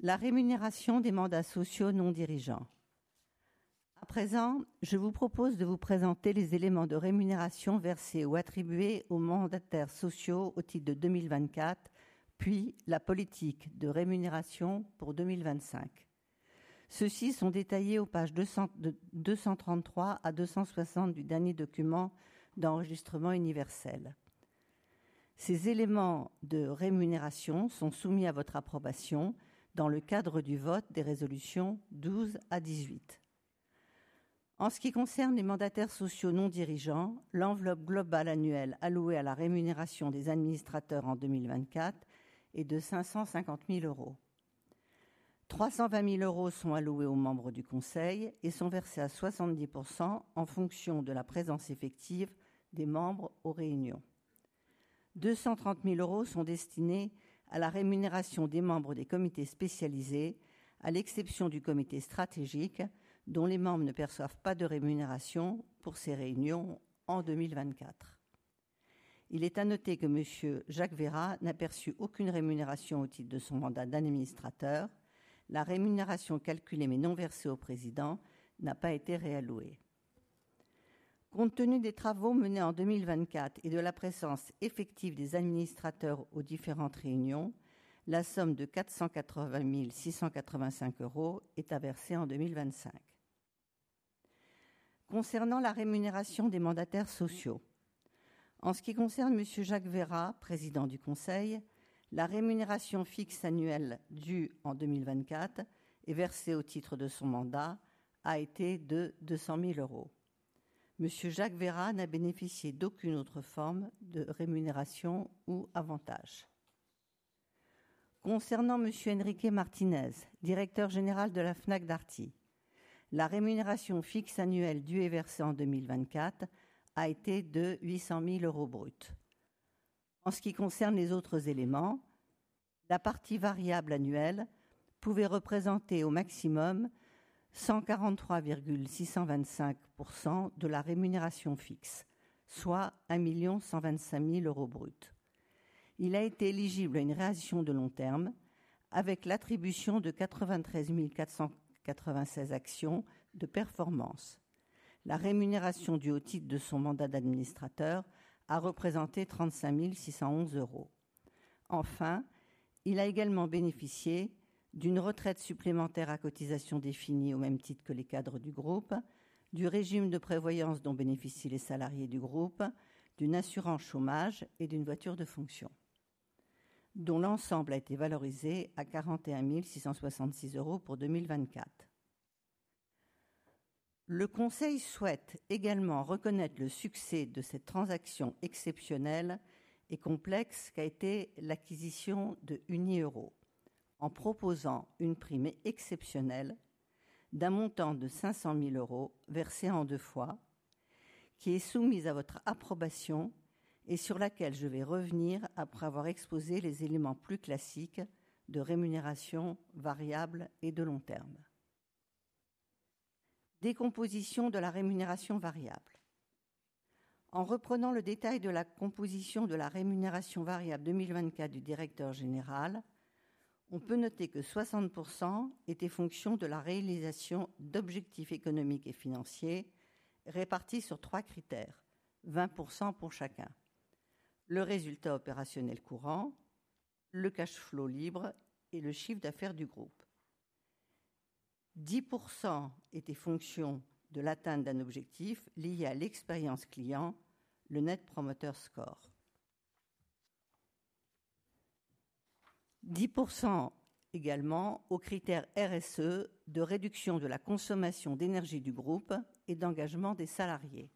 La rémunération des mandats sociaux non dirigeants. À présent, je vous propose de vous présenter les éléments de rémunération versés ou attribués aux mandataires sociaux au titre de 2024, puis la politique de rémunération pour 2025. Ceux-ci sont détaillés aux pages 233 à 260 du dernier document d'enregistrement universel. Ces éléments de rémunération sont soumis à votre approbation dans le cadre du vote des résolutions 12 à 18. En ce qui concerne les mandataires sociaux non dirigeants, l'enveloppe globale annuelle allouée à la rémunération des administrateurs en 2024 est de €550,000. €320,000 sont alloués aux membres du conseil et sont versés à 70% en fonction de la présence effective des membres aux réunions. 230 000 euros sont destinés à la rémunération des membres des comités spécialisés, à l'exception du comité stratégique, dont les membres ne perçoivent pas de rémunération pour ces réunions en 2024. Il est à noter que Monsieur Jacques Verrat n'a perçu aucune rémunération au titre de son mandat d'administrateur. La rémunération calculée mais non versée au Président n'a pas été réallouée. Compte tenu des travaux menés en 2024 et de la présence effective des administrateurs aux différentes réunions, la somme de 480 685 euros est à verser en 2025. Concernant la rémunération des mandataires sociaux, en ce qui concerne Monsieur Jacques Verrat, Président du Conseil, la rémunération fixe annuelle due en 2024 et versée au titre de son mandat a été de 200 000 euros. Monsieur Jacques Verrat n'a bénéficié d'aucune autre forme de rémunération ou avantage. Concernant Monsieur Enrique Martinez, Directeur Général de la Fnac Darty, la rémunération fixe annuelle due et versée en 2024 a été de €800 000 bruts. En ce qui concerne les autres éléments, la partie variable annuelle pouvait représenter au maximum 143,625% de la rémunération fixe, soit €1 125 000 bruts. Il a été éligible à une rémunération de long terme avec l'attribution de 93 496 actions de performance. La rémunération due au titre de son mandat d'administrateur a représenté €35 611. Enfin, il a également bénéficié d'une retraite supplémentaire à cotisation définie au même titre que les cadres du groupe, du régime de prévoyance dont bénéficient les salariés du groupe, d'une assurance chômage et d'une voiture de fonction, dont l'ensemble a été valorisé à €41 666 pour 2024. Le conseil souhaite également reconnaître le succès de cette transaction exceptionnelle et complexe qu'a été l'acquisition d'Unioro, en proposant une prime exceptionnelle d'un montant de €500 000 versée en deux fois, qui est soumise à votre approbation et sur laquelle je vais revenir après avoir exposé les éléments plus classiques de rémunération variable et de long terme. Décomposition de la rémunération variable. En reprenant le détail de la composition de la rémunération variable 2024 du directeur général, on peut noter que 60% étaient en fonction de la réalisation d'objectifs économiques et financiers répartis sur trois critères, 20% pour chacun: le résultat opérationnel courant, le cash flow libre et le chiffre d'affaires du groupe. 10% étaient en fonction de l'atteinte d'un objectif lié à l'expérience client, le Net Promoter Score. 10% également au critère RSE de réduction de la consommation d'énergie du groupe et d'engagement des salariés.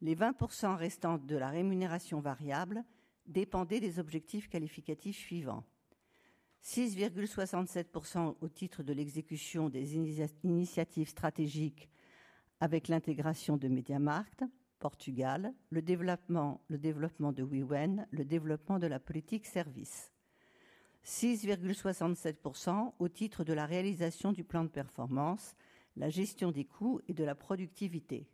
Les 20% restants de la rémunération variable dépendaient des objectifs qualitatifs suivants: 6,67% au titre de l'exécution des initiatives stratégiques avec l'intégration de Media Markt Portugal, le développement de WeWen, le développement de la politique service. 6,67% au titre de la réalisation du plan de performance, la gestion des coûts et de la productivité.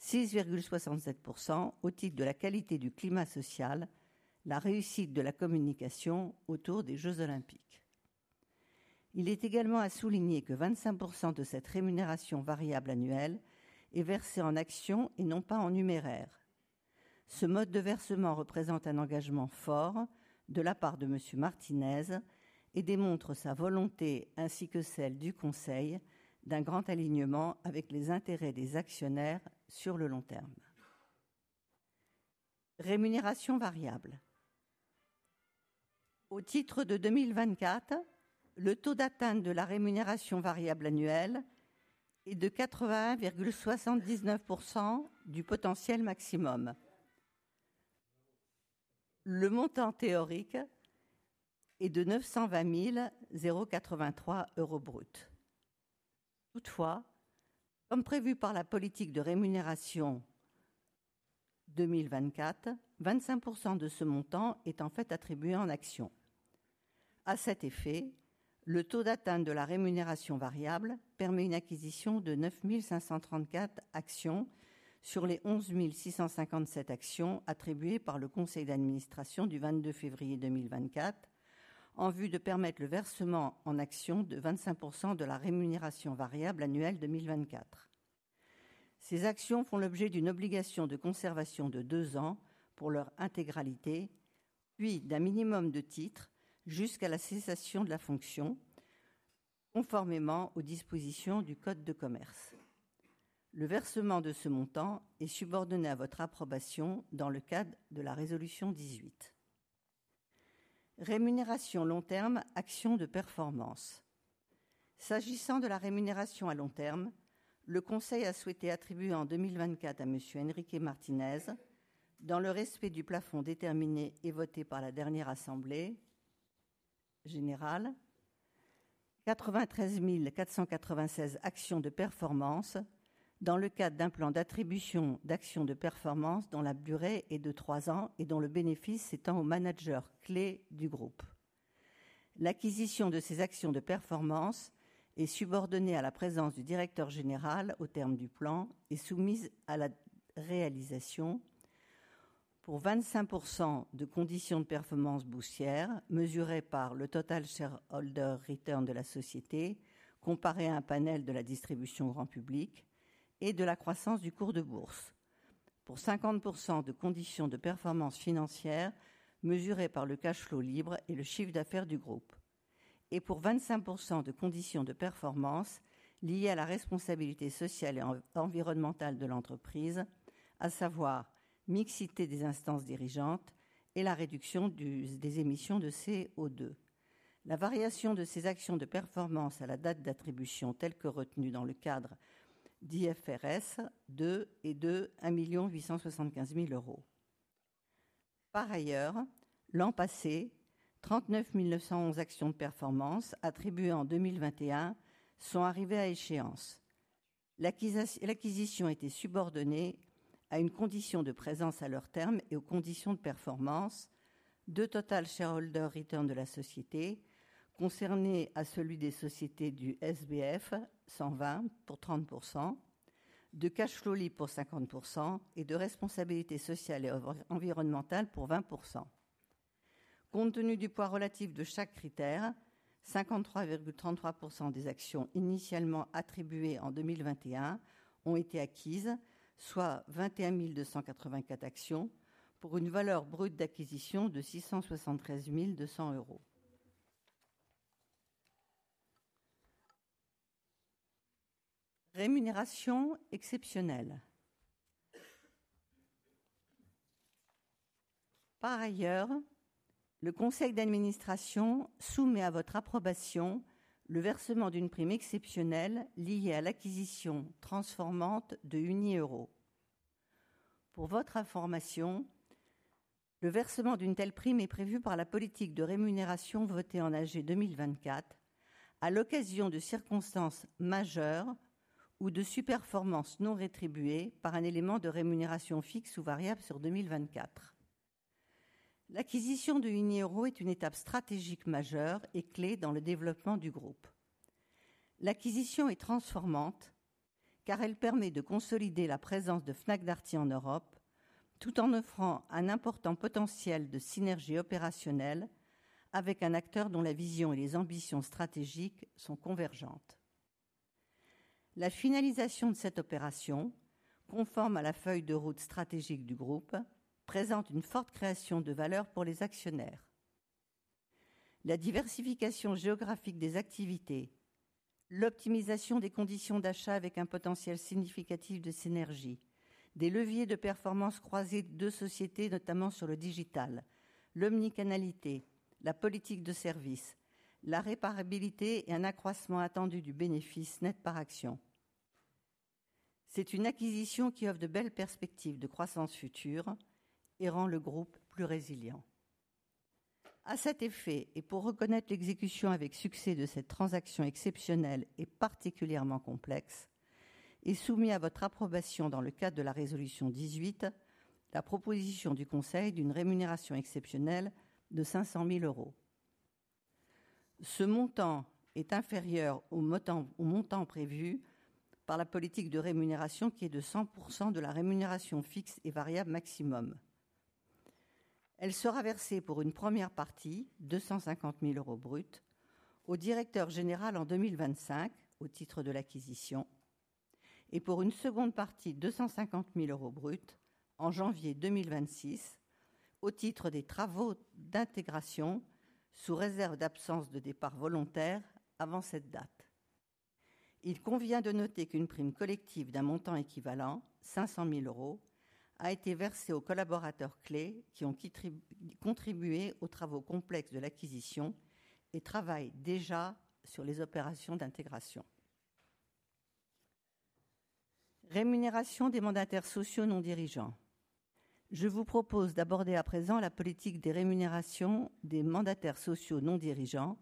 6,67% au titre de la qualité du climat social, la réussite de la communication autour des Jeux Olympiques. Il est également à souligner que 25% de cette rémunération variable annuelle est versée en actions et non pas en numéraire. Ce mode de versement représente un engagement fort de la part de Monsieur Martinez et démontre sa volonté ainsi que celle du conseil d'un grand alignement avec les intérêts des actionnaires sur le long terme. Rémunération variable. Au titre de 2024, le taux d'atteinte de la rémunération variable annuelle est de 81,79% du potentiel maximum. Le montant théorique est de €920 083 bruts. Toutefois, comme prévu par la politique de rémunération 2024, 25% de ce montant est en fait attribué en actions. À cet effet, le taux d'atteinte de la rémunération variable permet une acquisition de 9 534 actions sur les 11 657 actions attribuées par le conseil d'administration du 22 février 2024, en vue de permettre le versement en actions de 25% de la rémunération variable annuelle 2024. Ces actions font l'objet d'une obligation de conservation de deux ans pour leur intégralité, puis d'un minimum de titres jusqu'à la cessation de la fonction, conformément aux dispositions du code de commerce. Le versement de ce montant est subordonné à votre approbation dans le cadre de la résolution 18. Rémunération long terme actions de performance. S'agissant de la rémunération à long terme, le conseil a souhaité attribuer en 2024 à Monsieur Enrique Martinez, dans le respect du plafond déterminé et voté par la dernière assemblée générale, 93 496 actions de performance dans le cadre d'un plan d'attribution d'actions de performance dont la durée est de trois ans et dont le bénéfice s'étend aux managers clés du groupe. L'acquisition de ces actions de performance est subordonnée à la présence du directeur général au terme du plan et soumise à la réalisation pour 25% de conditions de performance boursière mesurées par le Total Shareholder Return de la société, comparé à un panel de la distribution grand public et de la croissance du cours de bourse, pour 50% de conditions de performance financière mesurées par le cash flow libre et le chiffre d'affaires du groupe, et pour 25% de conditions de performance liées à la responsabilité sociale et environnementale de l'entreprise, à savoir mixité des instances dirigeantes et la réduction des émissions de CO2. La variation de ces actions de performance à la date d'attribution telle que retenue dans le cadre d'IFRS 2 est de €1 875 000. Par ailleurs, l'an passé, 39 911 actions de performance attribuées en 2021 sont arrivées à échéance. L'acquisition était subordonnée à une condition de présence à leur terme et aux conditions de performance de Total Shareholder Return de la société, comparé à celui des sociétés du SBF 120 pour 30%, de cash flow libre pour 50% et de responsabilité sociale et environnementale pour 20%. Compte tenu du poids relatif de chaque critère, 53,33% des actions initialement attribuées en 2021 ont été acquises, soit 21 284 actions pour une valeur brute d'acquisition de €673 200. Rémunération exceptionnelle. Par ailleurs, le conseil d'administration soumet à votre approbation le versement d'une prime exceptionnelle liée à l'acquisition transformante d'Unioro. Pour votre information, le versement d'une telle prime est prévu par la politique de rémunération votée en AG 2024 à l'occasion de circonstances majeures ou de surperformances non rétribuées par un élément de rémunération fixe ou variable sur 2024. L'acquisition d'Unioro est une étape stratégique majeure et clé dans le développement du groupe. L'acquisition est transformante car elle permet de consolider la présence de Fnac Darty en Europe tout en offrant un important potentiel de synergie opérationnelle avec un acteur dont la vision et les ambitions stratégiques sont convergentes. La finalisation de cette opération, conforme à la feuille de route stratégique du groupe, présente une forte création de valeur pour les actionnaires. La diversification géographique des activités, l'optimisation des conditions d'achat avec un potentiel significatif de synergie, des leviers de performance croisés de deux sociétés, notamment sur le digital, l'omnicanalité, la politique de service, la réparabilité et un accroissement attendu du bénéfice net par action. C'est une acquisition qui offre de belles perspectives de croissance future et rend le groupe plus résilient. À cet effet et pour reconnaître l'exécution avec succès de cette transaction exceptionnelle et particulièrement complexe, est soumis à votre approbation dans le cadre de la résolution 18, la proposition du conseil d'une rémunération exceptionnelle de 500 000 €. Ce montant est inférieur au montant prévu par la politique de rémunération qui est de 100% de la rémunération fixe et variable maximum. Elle sera versée pour une première partie 250 000 € bruts au Directeur Général en 2025 au titre de l'acquisition et pour une seconde partie 250 000 € bruts en janvier 2026 au titre des travaux d'intégration sous réserve d'absence de départ volontaire avant cette date. Il convient de noter qu'une prime collective d'un montant équivalent, 500 000 €, a été versée aux collaborateurs clés qui ont contribué aux travaux complexes de l'acquisition et travaillent déjà sur les opérations d'intégration. Rémunération des mandataires sociaux non dirigeants. Je vous propose d'aborder à présent la politique des rémunérations des mandataires sociaux non dirigeants,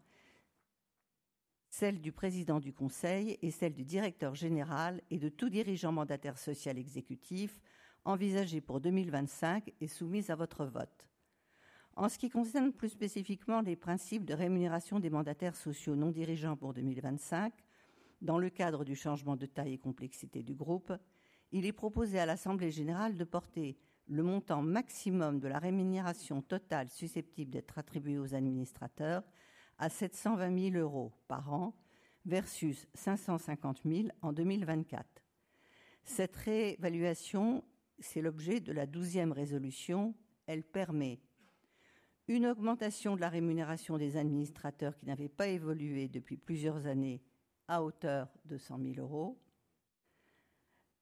celle du Président du Conseil et celle du Directeur Général et de tout dirigeant mandataire social exécutif envisagée pour 2025 et soumise à votre vote. En ce qui concerne plus spécifiquement les principes de rémunération des mandataires sociaux non dirigeants pour 2025, dans le cadre du changement de taille et complexité du groupe, il est proposé à l'assemblée générale de porter le montant maximum de la rémunération totale susceptible d'être attribuée aux administrateurs à €720,000 par an versus €550,000 en 2024. Cette réévaluation, c'est l'objet de la 12e résolution, elle permet une augmentation de la rémunération des administrateurs qui n'avait pas évolué depuis plusieurs années à hauteur de €100 000,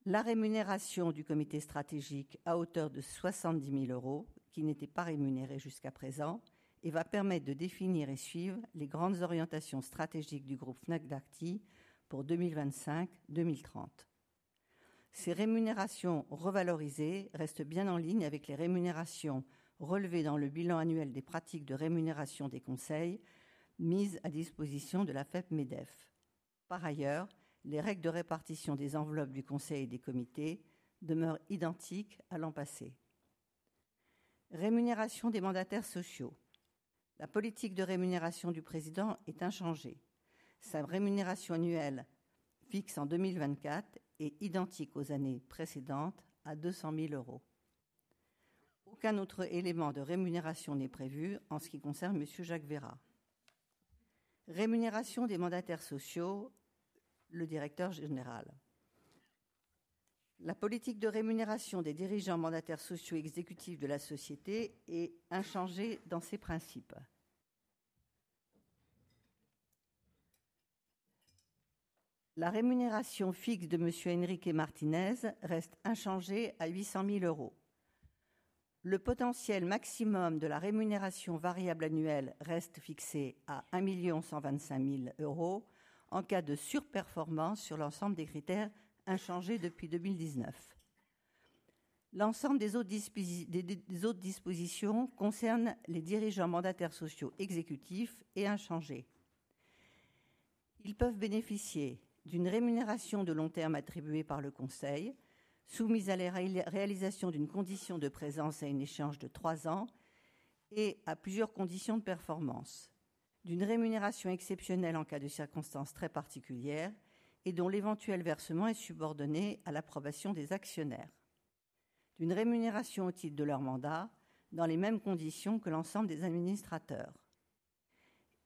la rémunération du comité stratégique à hauteur de €70 000 qui n'était pas rémunérée jusqu'à présent et va permettre de définir et suivre les grandes orientations stratégiques du groupe Fnac Darty pour 2025-2030. Ces rémunérations revalorisées restent bien en ligne avec les rémunérations relevées dans le bilan annuel des pratiques de rémunération des conseils mises à disposition de la FEPMEDEF. Par ailleurs, les règles de répartition des enveloppes du conseil et des comités demeurent identiques à l'an passé. Rémunération des mandataires sociaux. La politique de rémunération du Président est inchangée. Sa rémunération annuelle fixe en 2024 est identique aux années précédentes à €200 000. Aucun autre élément de rémunération n'est prévu en ce qui concerne Monsieur Jacques Veyrat. Rémunération des mandataires sociaux, le directeur général. La politique de rémunération des dirigeants mandataires sociaux exécutifs de la société est inchangée dans ses principes. La rémunération fixe de Monsieur Enrique Martinez reste inchangée à 800 000 €. Le potentiel maximum de la rémunération variable annuelle reste fixé à 1 125 000 € en cas de surperformance sur l'ensemble des critères inchangés depuis 2019. L'ensemble des autres dispositions concernant les dirigeants mandataires sociaux exécutifs est inchangé. Ils peuvent bénéficier d'une rémunération de long terme attribuée par le conseil, soumise à la réalisation d'une condition de présence à un échéance de trois ans et à plusieurs conditions de performance, d'une rémunération exceptionnelle en cas de circonstances très particulières et dont l'éventuel versement est subordonné à l'approbation des actionnaires, d'une rémunération au titre de leur mandat dans les mêmes conditions que l'ensemble des administrateurs.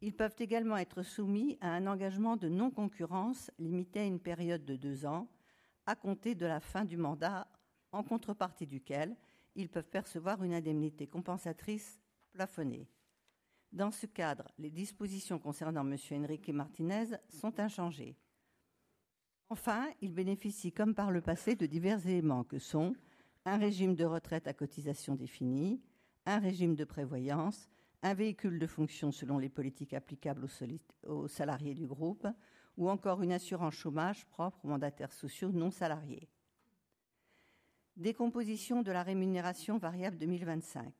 Ils peuvent également être soumis à un engagement de non-concurrence limité à une période de deux ans à compter de la fin du mandat, en contrepartie duquel ils peuvent percevoir une indemnité compensatrice plafonnée. Dans ce cadre, les dispositions concernant Monsieur Enrique Martinez sont inchangées. Enfin, ils bénéficient, comme par le passé, de divers éléments que sont un régime de retraite à cotisations définies, un régime de prévoyance, un véhicule de fonction selon les politiques applicables aux salariés du groupe ou encore une assurance chômage propre aux mandataires sociaux non salariés. Décomposition de la rémunération variable 2025.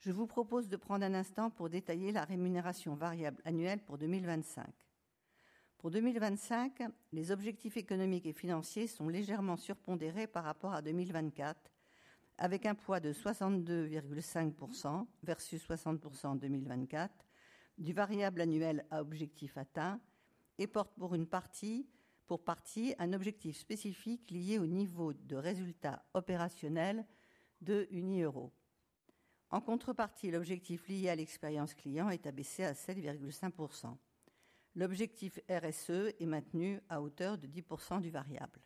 Je vous propose de prendre un instant pour détailler la rémunération variable annuelle pour 2025. Pour 2025, les objectifs économiques et financiers sont légèrement surpondérés par rapport à 2024, avec un poids de 62,5% versus 60% en 2024, du variable annuel à objectif atteint et portent pour partie un objectif spécifique lié au niveau de résultat opérationnel d'Unioro. En contrepartie, l'objectif lié à l'expérience client est abaissé à 7,5%. L'objectif RSE est maintenu à hauteur de 10% du variable.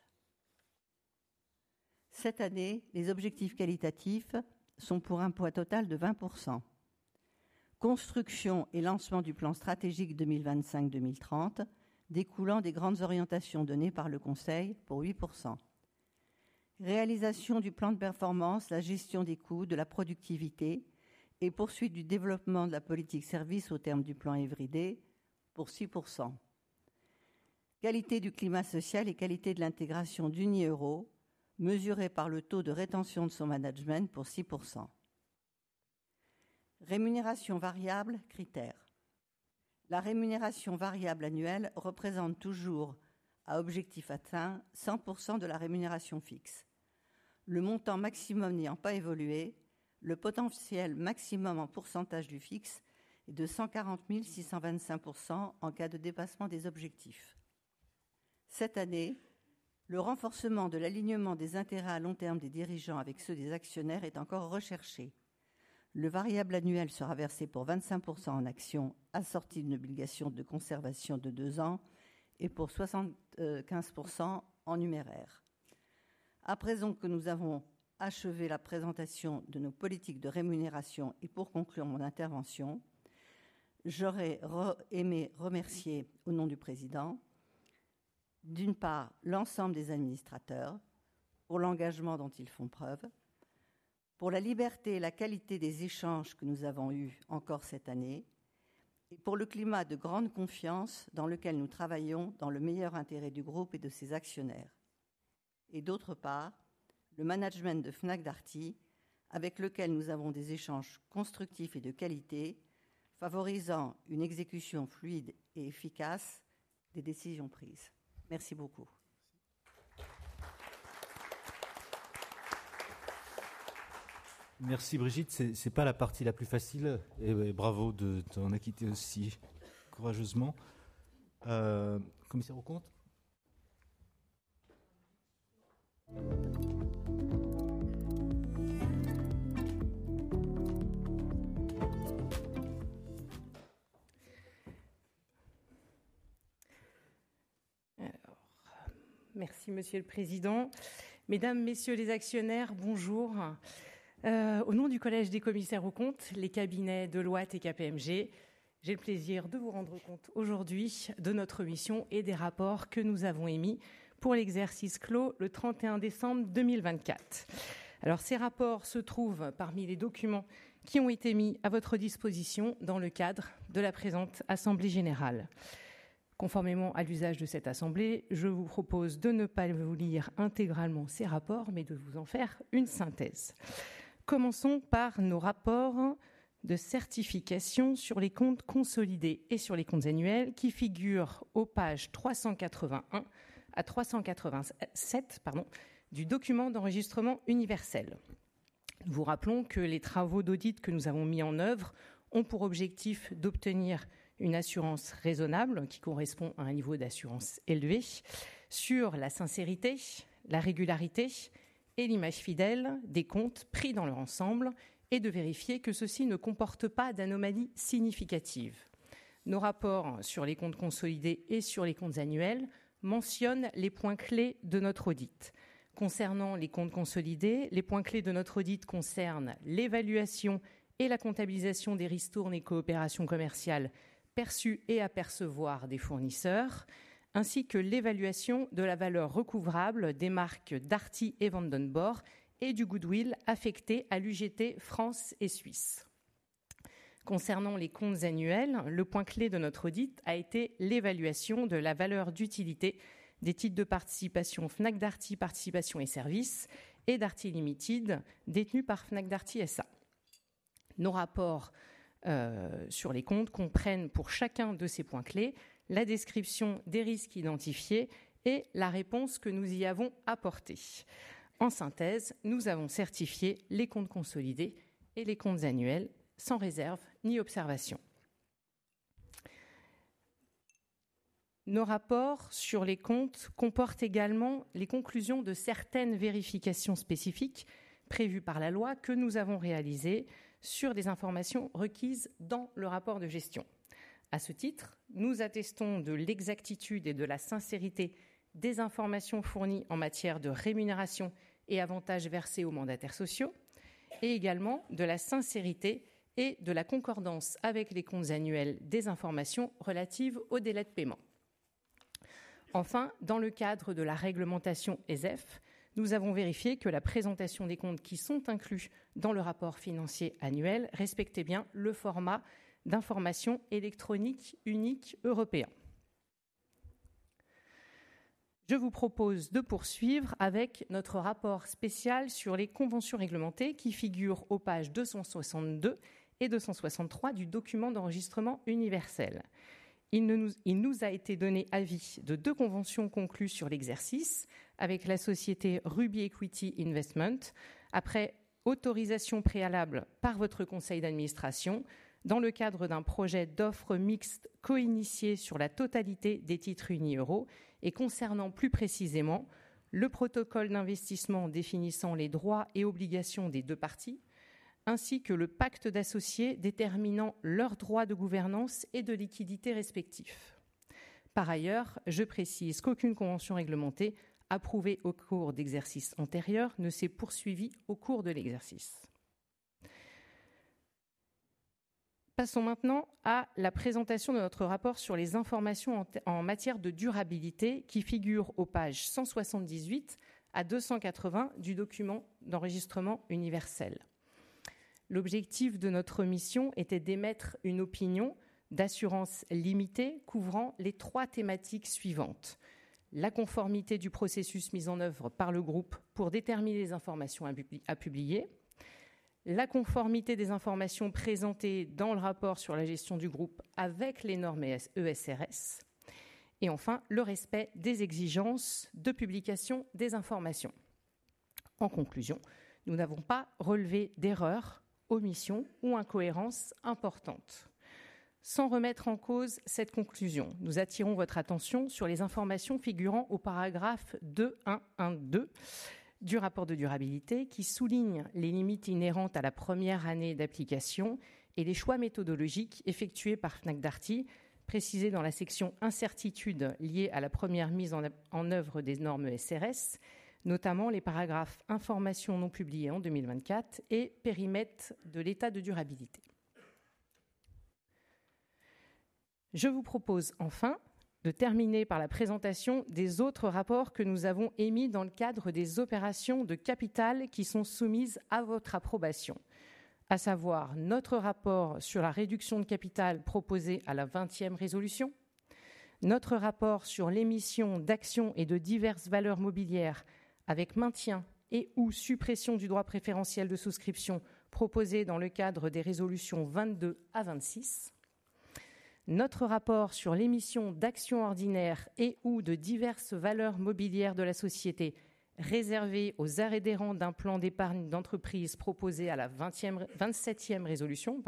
Cette année, les objectifs qualitatifs sont pour un poids total de 20%. Construction et lancement du plan stratégique 2025-2030, découlant des grandes orientations données par le conseil pour 8%. Réalisation du plan de performance, la gestion des coûts, de la productivité et poursuite du développement de la politique service au terme du plan EVRIDE pour 6%. Qualité du climat social et qualité de l'intégration d'Unioro, mesurée par le taux de rétention de son management pour 6%. Rémunération variable critère. La rémunération variable annuelle représente toujours, à objectif atteint, 100% de la rémunération fixe. Le montant maximum n'ayant pas évolué, le potentiel maximum en pourcentage du fixe est de 140,625% en cas de dépassement des objectifs. Cette année, le renforcement de l'alignement des intérêts à long terme des dirigeants avec ceux des actionnaires est encore recherché. Le variable annuel sera versé pour 25% en actions assorties d'une obligation de conservation de deux ans et pour 75% en numéraire. À présent que nous avons achevé la présentation de nos politiques de rémunération et pour conclure mon intervention, j'aurais aimé remercier au nom du président, d'une part, l'ensemble des administrateurs pour l'engagement dont ils font preuve, pour la liberté et la qualité des échanges que nous avons eus encore cette année et pour le climat de grande confiance dans lequel nous travaillons dans le meilleur intérêt du groupe et de ses actionnaires. D'autre part, le management de Fnac Darty, avec lequel nous avons des échanges constructifs et de qualité, favorisant une exécution fluide et efficace des décisions prises. Merci beaucoup. Merci Brigitte. Ce n'est pas la partie la plus facile. Bravo de t'en acquitter aussi courageusement. Commissaire aux comptes. Merci monsieur le Président. Mesdames, messieurs les actionnaires, bonjour. Au nom du collège des commissaires aux comptes, les cabinets Deloitte et KPMG, j'ai le plaisir de vous rendre compte aujourd'hui de notre mission et des rapports que nous avons émis pour l'exercice clos le 31 décembre 2024. Ces rapports se trouvent parmi les documents qui ont été mis à votre disposition dans le cadre de la présente assemblée générale. Conformément à l'usage de cette assemblée, je vous propose de ne pas vous lire intégralement ces rapports, mais de vous en faire une synthèse. Commençons par nos rapports de certification sur les comptes consolidés et sur les comptes annuels qui figurent aux pages 381 à 387 du document d'enregistrement universel. Nous vous rappelons que les travaux d'audit que nous avons mis en œuvre ont pour objectif d'obtenir une assurance raisonnable qui correspond à un niveau d'assurance élevé sur la sincérité, la régularité et l'image fidèle des comptes pris dans leur ensemble et de vérifier que ceux-ci ne comportent pas d'anomalies significatives. Nos rapports sur les comptes consolidés et sur les comptes annuels mentionnent les points clés de notre audit. Concernant les comptes consolidés, les points clés de notre audit concernent l'évaluation et la comptabilisation des ristournes et coopérations commerciales perçues et à percevoir des fournisseurs, ainsi que l'évaluation de la valeur recouvrable des marques Darty et Vandenborre et du goodwill affecté à l'UGT France et Suisse. Concernant les comptes annuels, le point clé de notre audit a été l'évaluation de la valeur d'utilité des titres de participation Fnac Darty Participation et Services et Darty Limited détenus par Fnac Darty SA. Nos rapports sur les comptes comprennent pour chacun de ces points clés la description des risques identifiés et la réponse que nous y avons apportée. En synthèse, nous avons certifié les comptes consolidés et les comptes annuels sans réserve ni observation. Nos rapports sur les comptes comportent également les conclusions de certaines vérifications spécifiques prévues par la loi que nous avons réalisées sur des informations requises dans le rapport de gestion. À ce titre, nous attestons de l'exactitude et de la sincérité des informations fournies en matière de rémunération et avantages versés aux mandataires sociaux et également de la sincérité et de la concordance avec les comptes annuels des informations relatives aux délais de paiement. Enfin, dans le cadre de la réglementation ESEF, nous avons vérifié que la présentation des comptes qui sont inclus dans le rapport financier annuel respectait bien le format d'information électronique unique européen. Je vous propose de poursuivre avec notre rapport spécial sur les conventions réglementées qui figurent aux pages 262 et 263 du document d'enregistrement universel. Il nous a été donné avis de deux conventions conclues sur l'exercice avec la société Ruby Equity Investment, après autorisation préalable par votre conseil d'administration dans le cadre d'un projet d'offre mixte co-initié sur la totalité des titres Unioro et concernant plus précisément le protocole d'investissement définissant les droits et obligations des deux parties, ainsi que le pacte d'associés déterminant leurs droits de gouvernance et de liquidité respectifs. Par ailleurs, je précise qu'aucune convention réglementée approuvée au cours d'exercices antérieurs ne s'est poursuivie au cours de l'exercice. Passons maintenant à la présentation de notre rapport sur les informations en matière de durabilité qui figurent aux pages 178 à 280 du document d'enregistrement universel. L'objectif de notre mission était d'émettre une opinion d'assurance limitée couvrant les trois thématiques suivantes : la conformité du processus mis en œuvre par le groupe pour déterminer les informations à publier, la conformité des informations présentées dans le rapport sur la gestion du groupe avec les normes ESRS et enfin le respect des exigences de publication des informations. En conclusion, nous n'avons pas relevé d'erreurs, omissions ou incohérences importantes. Sans remettre en cause cette conclusion, nous attirons votre attention sur les informations figurant au paragraphe 2.1.1.2 du rapport de durabilité qui souligne les limites inhérentes à la première année d'application et les choix méthodologiques effectués par Fnac Darty, précisés dans la section incertitude liée à la première mise en œuvre des normes ESRS, notamment les paragraphes informations non publiées en 2024 et périmètre de l'état de durabilité. Je vous propose enfin de terminer par la présentation des autres rapports que nous avons émis dans le cadre des opérations de capital qui sont soumises à votre approbation, à savoir notre rapport sur la réduction de capital proposé à la 20e résolution, notre rapport sur l'émission d'actions et de diverses valeurs mobilières avec maintien et/ou suppression du droit préférentiel de souscription proposé dans le cadre des résolutions 22 à 26, notre rapport sur l'émission d'actions ordinaires et/ou de diverses valeurs mobilières de la société réservées aux adhérents d'un plan d'épargne d'entreprise proposé à la 27e résolution,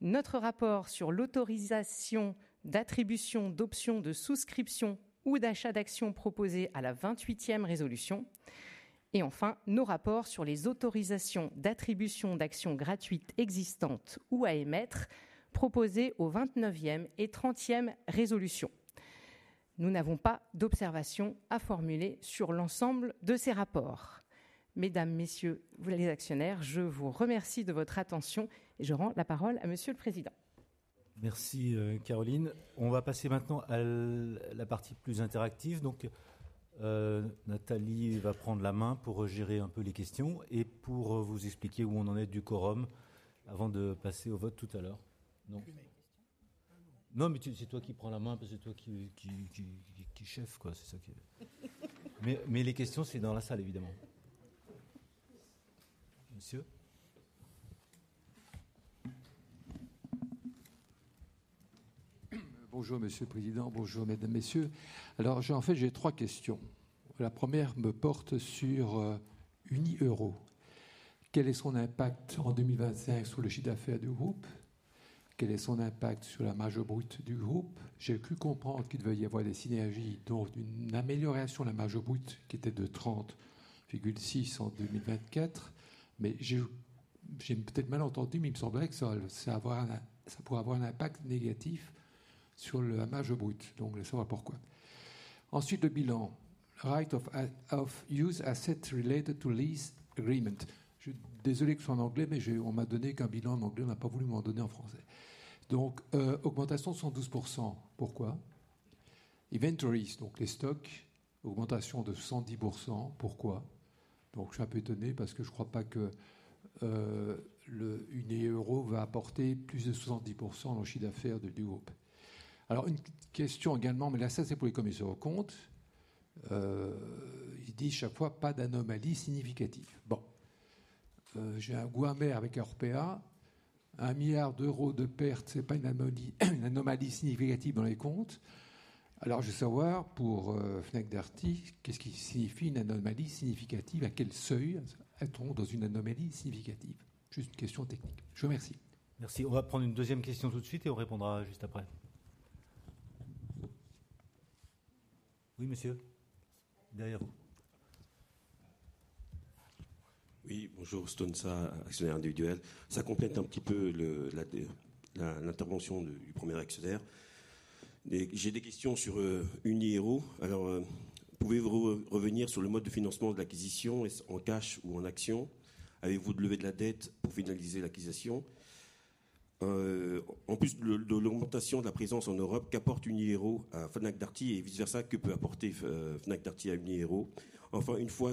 notre rapport sur l'autorisation d'attribution d'options de souscription ou d'achat d'actions proposé à la 28e résolution et enfin nos rapports sur les autorisations d'attribution d'actions gratuites existantes ou à émettre proposées aux 29e et 30e résolutions. Nous n'avons pas d'observations à formuler sur l'ensemble de ces rapports. Mesdames, messieurs, vous les actionnaires, je vous remercie de votre attention et je rends la parole à monsieur le président. Merci Caroline. On va passer maintenant à la partie plus interactive. Donc, Nathalie va prendre la main pour gérer un peu les questions et pour vous expliquer où on en est du quorum avant de passer au vote tout à l'heure. Non, mais c'est toi qui prends la main, parce que c'est toi qui chef, quoi, c'est ça qui... Mais les questions, c'est dans la salle, évidemment. Monsieur. Bonjour, Monsieur le Président. Bonjour, mesdames, messieurs. Alors, en fait, j'ai trois questions. La première me porte sur Unioro. Quel est son impact en 2025 sur le chiffre d'affaires du groupe? Quel est son impact sur la marge brute du groupe? J'ai cru comprendre qu'il devait y avoir des synergies, donc une amélioration de la marge brute qui était de 30,6% en 2024. Mais j'ai peut-être mal entendu, mais il me semblait que ça pourrait avoir un impact négatif sur la marge brute. Donc, je ne sais pas pourquoi. Ensuite, le bilan. Right of use assets related to lease agreement. Je suis désolé que ce soit en anglais, mais on m'a donné qu'un bilan en anglais, on n'a pas voulu me le donner en français. Donc, augmentation de 112%. Pourquoi? Inventories, donc les stocks, augmentation de 110%. Pourquoi? Donc, je suis un peu étonné parce que je ne crois pas qu'Unioro va apporter plus de 70% dans le chiffre d'affaires du groupe. Alors, une question également, mais là, ça, c'est pour les commissaires aux comptes. Ils disent chaque fois pas d'anomalie significative. Bon, j'ai un goût amer avec RPA. Un milliard d'euros de pertes, ce n'est pas une anomalie significative dans les comptes. Alors, je veux savoir pour Fnac Darty, qu'est-ce qui signifie une anomalie significative? À quel seuil est-on dans une anomalie significative? Juste une question technique. Je vous remercie. Merci. On va prendre une deuxième question tout de suite et on répondra juste après. Oui, monsieur, derrière vous. Oui, bonjour, Stounza, actionnaire individuel. Ça complète un petit peu l'intervention du premier actionnaire. J'ai des questions sur Uniero. Alors, pouvez-vous revenir sur le mode de financement de l'acquisition? Est-ce en cash ou en actions? Avez-vous de levée de la dette pour finaliser l'acquisition? En plus de l'augmentation de la présence en Europe, qu'apporte Uniero à Fnac Darty et vice-versa? Que peut apporter Fnac Darty à Uniero? Enfin, une fois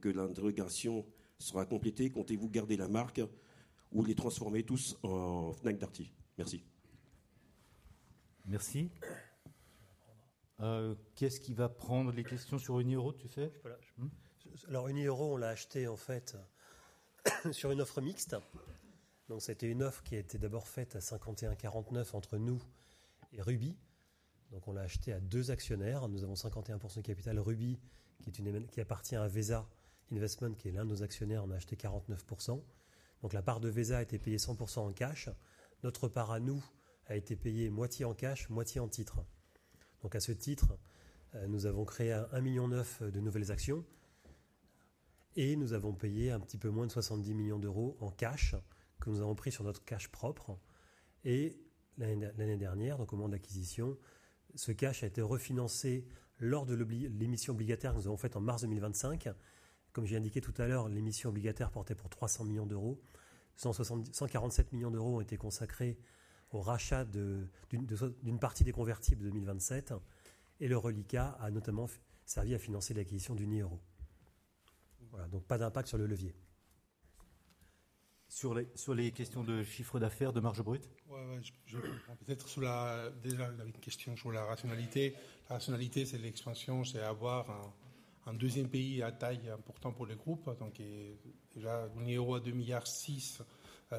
que l'interrogation sera complétée, comptez-vous garder la marque ou les transformer tous en Fnac Darty? Merci. Merci. Qu'est-ce qui va prendre les questions sur Uniero, tu sais? Alors, Uniero, on l'a acheté en fait sur une offre mixte. Donc, c'était une offre qui a été d'abord faite à 51,49 entre nous et Ruby. Donc, on l'a acheté à deux actionnaires. Nous avons 51% de capital Ruby qui appartient à Vesa Investment, qui est l'un de nos actionnaires. On a acheté 49%. Donc, la part de Vesa a été payée 100% en cash. Notre part à nous a été payée moitié en cash, moitié en titres. Donc, à ce titre, nous avons créé 1,9 million de nouvelles actions et nous avons payé un petit peu moins de €70 millions en cash que nous avons pris sur notre cash propre. Et l'année dernière, donc au moment de l'acquisition, ce cash a été refinancé lors de l'émission obligataire que nous avons faite en mars 2025. Comme j'ai indiqué tout à l'heure, l'émission obligataire portait pour €300 millions. €147 millions ont été consacrés au rachat d'une partie des convertibles de 2027. Et le reliquat a notamment servi à financer l'acquisition d'Uniero. Voilà, donc pas d'impact sur le levier. Sur les questions de chiffre d'affaires, de marge brute? Oui, oui, peut-être sur la... Déjà, une question sur la rationalité. La rationalité, c'est l'expansion, c'est avoir un deuxième pays à taille importante pour le groupe. Donc, déjà, Uniero à €2,6 milliards,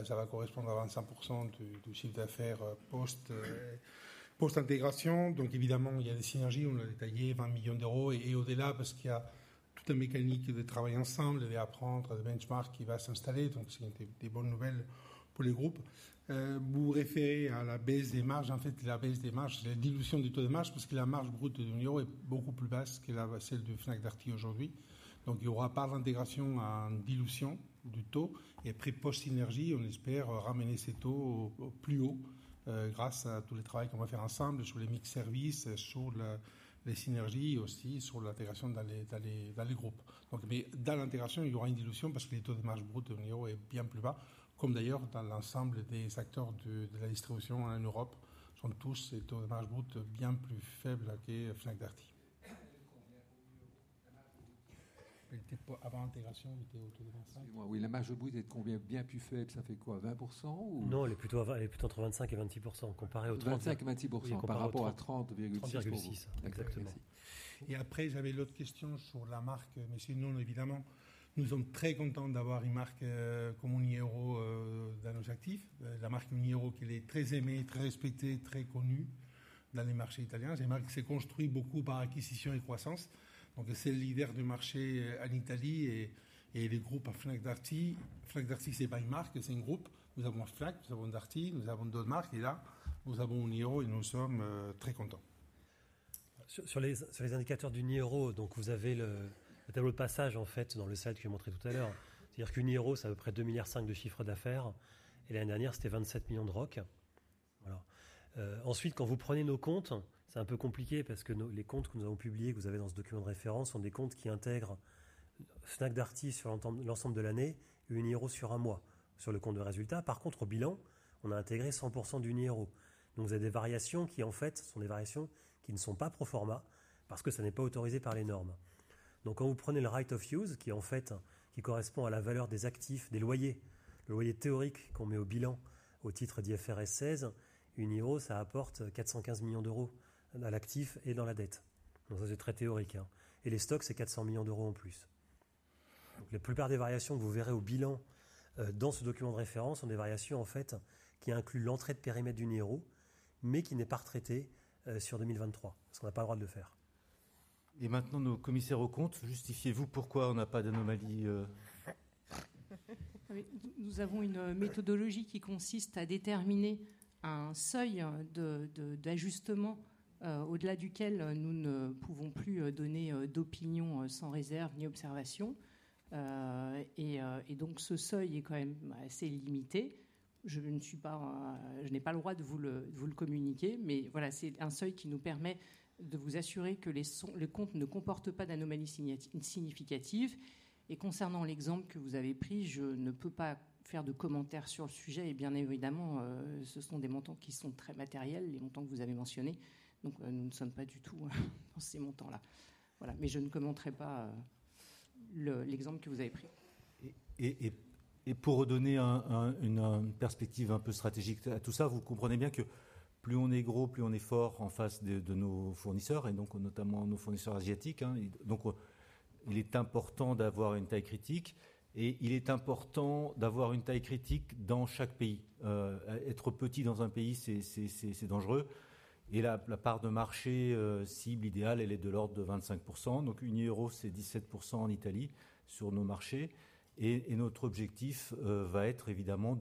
ça va correspondre à 25% du chiffre d'affaires post-intégration. Donc, évidemment, il y a des synergies. On a détaillé 20 millions d'euros et au-delà, parce qu'il y a toute la mécanique de travail ensemble et d'apprendre le benchmark qui va s'installer. Donc, c'est des bonnes nouvelles pour le groupe. Vous vous référez à la baisse des marges. En fait, la baisse des marges, c'est la dilution du taux de marge, parce que la marge brute d'Unieuro est beaucoup plus basse que celle de Fnac Darty aujourd'hui. Donc, il n'y aura pas d'intégration à une dilution du taux. Et après, post-synergie, on espère ramener ces taux plus haut grâce à tout le travail qu'on va faire ensemble sur les mix services, sur les synergies et aussi sur l'intégration dans les groupes. Donc, mais dans l'intégration, il y aura une dilution, parce que les taux de marge brute d'Unieuro sont bien plus bas, comme d'ailleurs dans l'ensemble des acteurs de la distribution en Europe. Ce sont tous des taux de marge brute bien plus faibles que Fnac Darty. Avant l'intégration, il était autour de 25 %. Oui, la marge brute était bien plus faible. Ça fait quoi, 20 %? Non, elle est plutôt entre 25 % et 26 % comparée aux 30 %. 25 % et 26 % par rapport à 30,6 %. Exactement. Et après, j'avais l'autre question sur la marque, mais chez nous, évidemment, nous sommes très contents d'avoir une marque comme Unieuro dans nos actifs. La marque Unieuro, qui est très aimée, très respectée, très connue dans les marchés italiens. C'est une marque qui s'est construite beaucoup par acquisition et croissance. Donc, c'est le leader du marché en Italie et le groupe Fnac Darty. Fnac Darty, ce n'est pas une marque, c'est un groupe. Nous avons Fnac, nous avons Darty, nous avons d'autres marques. Et là, nous avons Unieuro et nous sommes très contents. Sur les indicateurs d'Unibail, donc vous avez le tableau de passage, en fait, dans le slide que j'ai montré tout à l'heure. C'est-à-dire qu'Unibail, c'est à peu près €2,5 milliards de chiffre d'affaires. L'année dernière, c'était €27 millions de ROC. Ensuite, quand vous prenez nos comptes, c'est un peu compliqué, parce que les comptes que nous avons publiés, que vous avez dans ce document de référence, sont des comptes qui intègrent Fnac Darty sur l'ensemble de l'année et Unibail sur un mois sur le compte de résultat. Par contre, au bilan, on a intégré 100% d'Unibail. Donc, vous avez des variations qui, en fait, sont des variations qui ne sont pas pro forma, parce que ça n'est pas autorisé par les normes. Donc, quand vous prenez le Right of Use, qui en fait correspond à la valeur des actifs, des loyers, le loyer théorique qu'on met au bilan au titre d'IFRS 16, Uniero, ça apporte €415 millions à l'actif et dans la dette. Donc, ça, c'est très théorique. Et les stocks, c'est €400 millions en plus. Donc, la plupart des variations que vous verrez au bilan dans ce document de référence sont des variations, en fait, qui incluent l'entrée de périmètre d'Uniero, mais qui n'est pas retraitée sur 2023, parce qu'on n'a pas le droit de le faire. Et maintenant, nos commissaires aux comptes, justifiez-vous pourquoi on n'a pas d'anomalie? Nous avons une méthodologie qui consiste à déterminer un seuil d'ajustement au-delà duquel nous ne pouvons plus donner d'opinion sans réserve ni observation. Et donc, ce seuil est quand même assez limité. Je ne suis pas, je n'ai pas le droit de vous le communiquer, mais voilà, c'est un seuil qui nous permet de vous assurer que les comptes ne comportent pas d'anomalies significatives. Concernant l'exemple que vous avez pris, je ne peux pas faire de commentaire sur le sujet. Bien évidemment, ce sont des montants qui sont très matériels, les montants que vous avez mentionnés. Donc, nous ne sommes pas du tout dans ces montants-là. Voilà, mais je ne commenterai pas l'exemple que vous avez pris. Pour donner une perspective un peu stratégique à tout ça, vous comprenez bien que plus on est gros, plus on est fort en face de nos fournisseurs, et donc notamment nos fournisseurs asiatiques. Donc, il est important d'avoir une taille critique et il est important d'avoir une taille critique dans chaque pays. Être petit dans un pays, c'est dangereux. Et la part de marché cible idéale, elle est de l'ordre de 25%. Donc, Uniero, c'est 17% en Italie sur nos marchés. Et notre objectif va être évidemment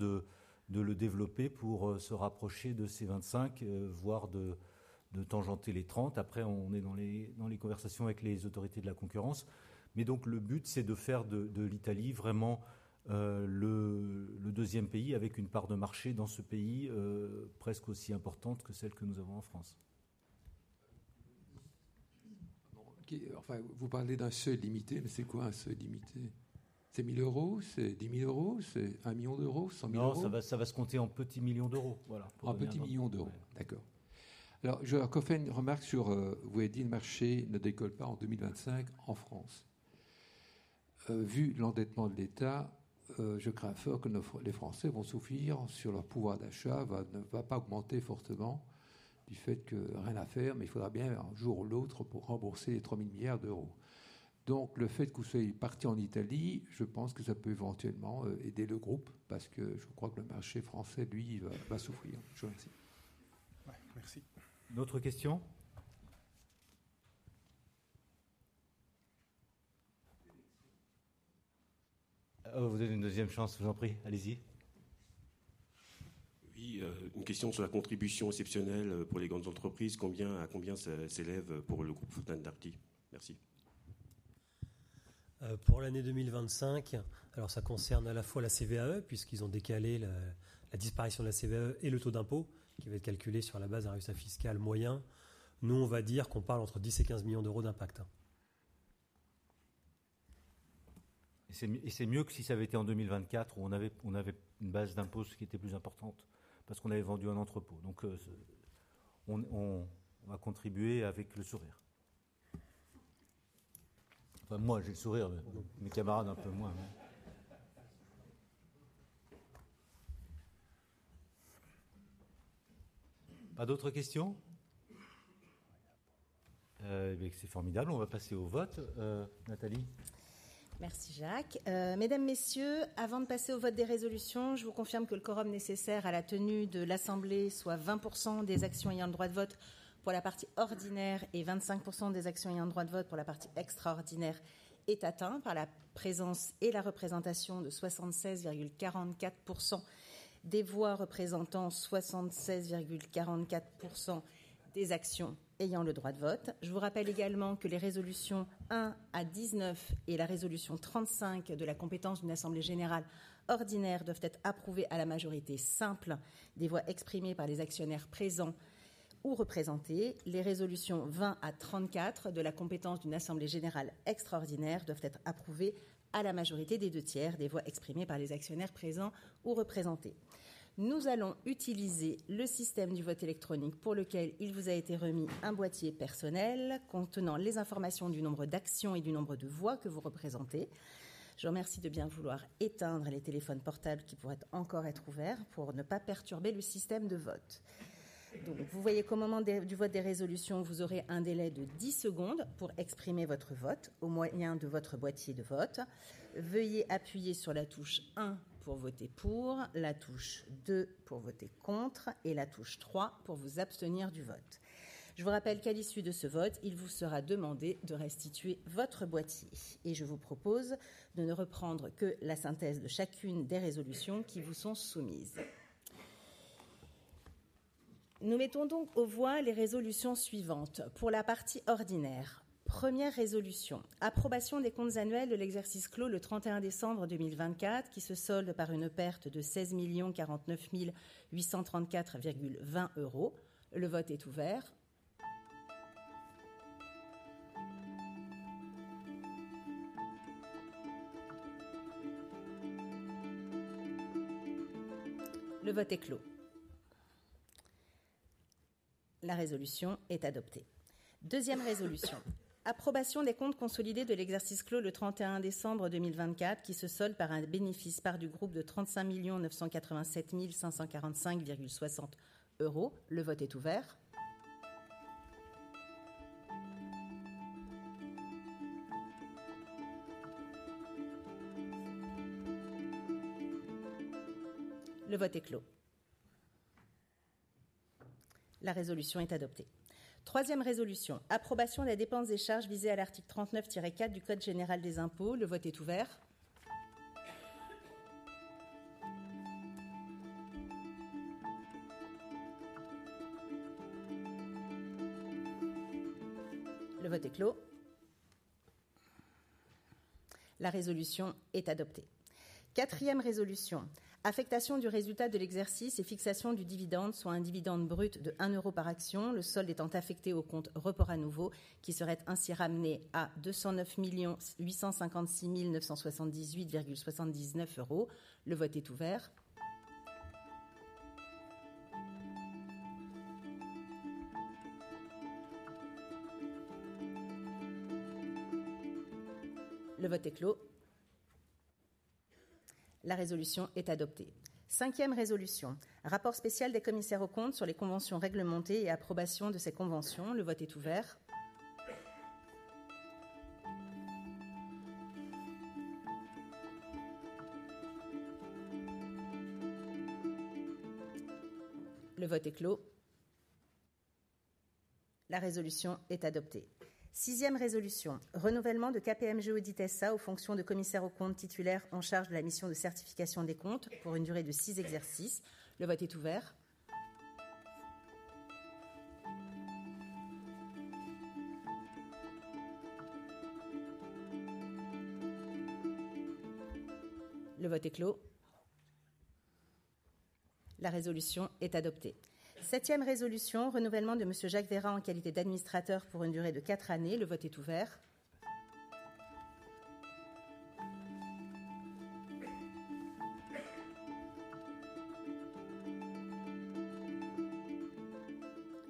de le développer pour se rapprocher de ces 25%, voire de tangenter les 30%. Après, on est dans les conversations avec les autorités de la concurrence. Mais donc, le but, c'est de faire de l'Italie vraiment le deuxième pays avec une part de marché dans ce pays presque aussi importante que celle que nous avons en France. Enfin, vous parlez d'un seuil limité, mais c'est quoi un seuil limité? C'est €1 000? C'est €10 000? C'est €1 million? €100 000? Non, ça va se compter en petits millions d'euros. Voilà, en petits millions d'euros. D'accord. Alors, je vais faire une remarque sur, vous l'avez dit, le marché ne décolle pas en 2025 en France. Vu l'endettement de l'État, je crains fort que les Français vont souffrir sur leur pouvoir d'achat, ne va pas augmenter fortement, du fait que rien à faire, mais il faudra bien un jour ou l'autre rembourser les €3 000 milliards. Donc, le fait que vous soyez parti en Italie, je pense que ça peut éventuellement aider le groupe, parce que je crois que le marché français, lui, va souffrir. Je vous remercie. Oui, merci. Une autre question? Vous avez une deuxième chance, je vous en prie. Allez-y. Oui, une question sur la contribution exceptionnelle pour les grandes entreprises. À combien ça s'élève pour le groupe Fnac Darty? Merci. Pour l'année 2025, alors ça concerne à la fois la CVAE, puisqu'ils ont décalé la disparition de la CVAE et le taux d'impôt, qui va être calculé sur la base d'un résultat fiscal moyen. Nous, on va dire qu'on parle entre 10 et 15 millions d'euros d'impact. Et c'est mieux que si ça avait été en 2024, où on avait une base d'impôt qui était plus importante, parce qu'on avait vendu un entrepôt. Donc, on va contribuer avec le sourire. Enfin, moi, j'ai le sourire, mais mes camarades, un peu moins. Pas d'autres questions? C'est formidable. On va passer au vote. Nathalie? Merci, Jacques. Mesdames, messieurs, avant de passer au vote des résolutions, je vous confirme que le quorum nécessaire à la tenue de l'assemblée soit 20% des actions ayant le droit de vote pour la partie ordinaire et 25% des actions ayant le droit de vote pour la partie extraordinaire est atteint par la présence et la représentation de 76,44% des voix représentant 76,44% des actions ayant le droit de vote. Je vous rappelle également que les résolutions 1 à 19 et la résolution 35 de la compétence d'une assemblée générale ordinaire doivent être approuvées à la majorité simple des voix exprimées par les actionnaires présents ou représentés. Les résolutions 20 à 34 de la compétence d'une assemblée générale extraordinaire doivent être approuvées à la majorité des deux tiers des voix exprimées par les actionnaires présents ou représentés. Nous allons utiliser le système du vote électronique pour lequel il vous a été remis un boîtier personnel contenant les informations du nombre d'actions et du nombre de voix que vous représentez. Je vous remercie de bien vouloir éteindre les téléphones portables qui pourraient encore être ouverts pour ne pas perturber le système de vote. Donc, vous voyez qu'au moment du vote des résolutions, vous aurez un délai de 10 secondes pour exprimer votre vote au moyen de votre boîtier de vote. Veuillez appuyer sur la touche 1 pour voter pour, la touche 2 pour voter contre et la touche 3 pour vous abstenir du vote. Je vous rappelle qu'à l'issue de ce vote, il vous sera demandé de restituer votre boîtier. Je vous propose de ne reprendre que la synthèse de chacune des résolutions qui vous sont soumises. Nous mettons donc aux voix les résolutions suivantes. Pour la partie ordinaire, première résolution: approbation des comptes annuels de l'exercice clos le 31 décembre 2024, qui se solde par une perte de €16 049 834,20. Le vote est ouvert. Le vote est clos. La résolution est adoptée. Deuxième résolution: approbation des comptes consolidés de l'exercice clos le 31 décembre 2024, qui se solde par un bénéfice part du groupe de €35 987 545,60. Le vote est ouvert. Le vote est clos. La résolution est adoptée. Troisième résolution: approbation des dépenses et charges visées à l'article 39-4 du Code général des impôts. Le vote est ouvert. Le vote est clos. La résolution est adoptée. Quatrième résolution : affectation du résultat de l'exercice et fixation du dividende, soit un dividende brut de €1 par action, le solde étant affecté au compte report à nouveau, qui serait ainsi ramené à €209 856 978,79. Le vote est ouvert. Le vote est clos. La résolution est adoptée. Cinquième résolution: rapport spécial des Commissaires aux comptes sur les conventions réglementées et approbation de ces conventions. Le vote est ouvert. Le vote est clos. La résolution est adoptée. Sixième résolution: renouvellement de KPMG Audit SA aux fonctions de Commissaire aux comptes titulaire en charge de la mission de certification des comptes pour une durée de six exercices. Le vote est ouvert. Le vote est clos. La résolution est adoptée. Septième résolution: renouvellement de Monsieur Jacques Veyrat en qualité d'administrateur pour une durée de quatre années. Le vote est ouvert.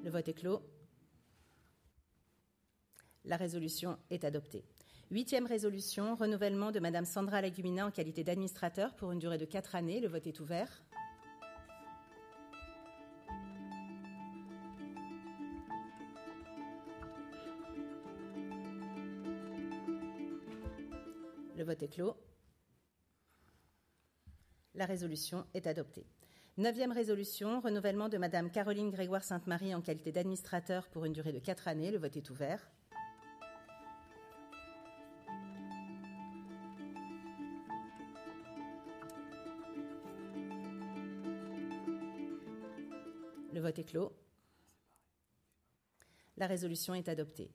Le vote est clos. La résolution est adoptée. Huitième résolution: renouvellement de Madame Sandra Léguminaz en qualité d'administrateur pour une durée de quatre années. Le vote est ouvert. Le vote est clos. La résolution est adoptée. Neuvième résolution: renouvellement de Madame Caroline Grégoire Sainte-Marie en qualité d'administrateur pour une durée de quatre années. Le vote est ouvert. Le vote est clos. La résolution est adoptée.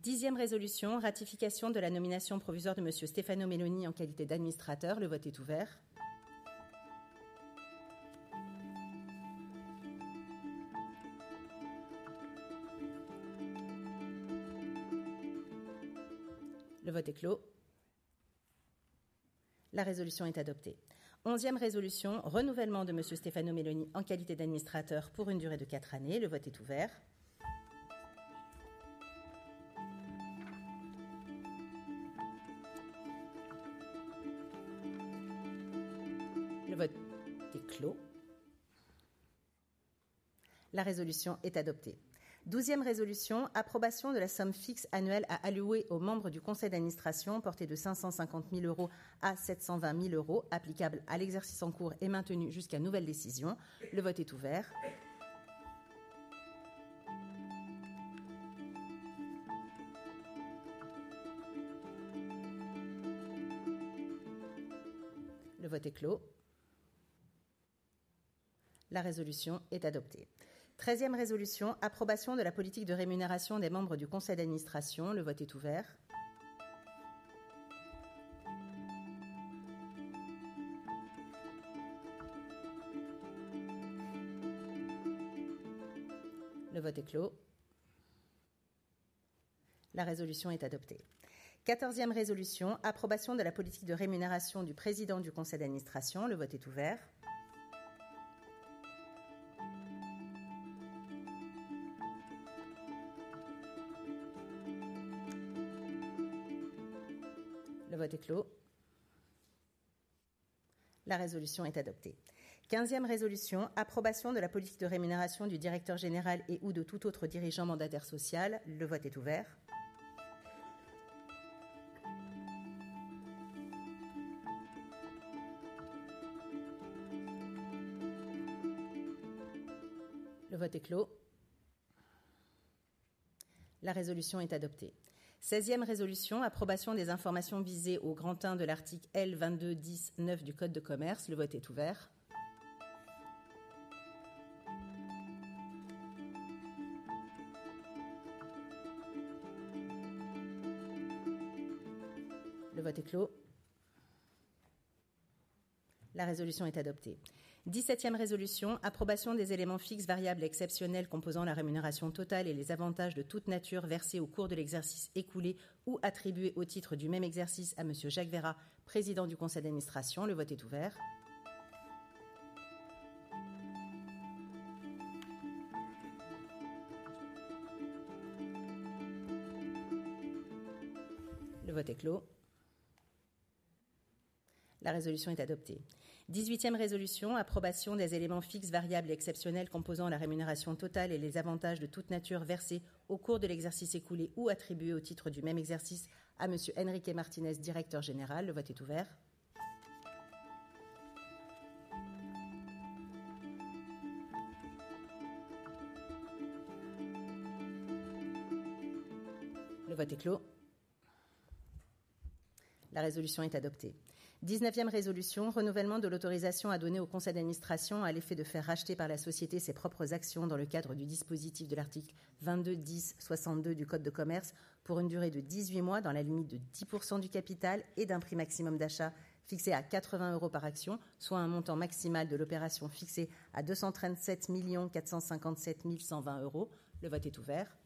Dixième résolution: ratification de la nomination provisoire de Monsieur Stéphane Auméloni en qualité d'administrateur. Le vote est ouvert. Le vote est clos. La résolution est adoptée. Onzième résolution: renouvellement de Monsieur Stéphane Auméloni en qualité d'administrateur pour une durée de quatre années. Le vote est ouvert. Le vote est clos. La résolution est adoptée. Douzième résolution: approbation de la somme fixe annuelle à allouer aux membres du conseil d'administration, portée de €550 000 à €720 000, applicable à l'exercice en cours et maintenue jusqu'à nouvelle décision. Le vote est ouvert. Le vote est clos. La résolution est adoptée. Treizième résolution: approbation de la politique de rémunération des membres du conseil d'administration. Le vote est ouvert. Le vote est clos. La résolution est adoptée. Quatorzième résolution: approbation de la politique de rémunération du Président du conseil d'administration. Le vote est ouvert. Le vote est clos. La résolution est adoptée. Quinzième résolution: approbation de la politique de rémunération du Directeur Général et/ou de tout autre dirigeant mandataire social. Le vote est ouvert. Le vote est clos. La résolution est adoptée. Seizième résolution: approbation des informations visées au grand I de l'article L22-10-9 du Code de Commerce. Le vote est ouvert. Le vote est clos. La résolution est adoptée. Dix-septième résolution: approbation des éléments fixes, variables et exceptionnels composant la rémunération totale et les avantages de toute nature versés au cours de l'exercice écoulé ou attribués au titre du même exercice à Monsieur Jacques Veyrat, Président du Conseil d'Administration. Le vote est ouvert. Le vote est clos. La résolution est adoptée. Dix-huitième résolution: approbation des éléments fixes, variables et exceptionnels composant la rémunération totale et les avantages de toute nature versés au cours de l'exercice écoulé ou attribués au titre du même exercice à Monsieur Enrique Martinez, Directeur Général. Le vote est ouvert. Le vote est clos. La résolution est adoptée. Dix-neuvième résolution: renouvellement de l'autorisation à donner au conseil d'administration à l'effet de faire racheter par la société ses propres actions dans le cadre du dispositif de l'article L. 22-10-62 du code de commerce pour une durée de 18 mois dans la limite de 10% du capital et d'un prix maximum d'achat fixé à €80 par action, soit un montant maximal de l'opération fixé à €237 457 120. Le vote est ouvert.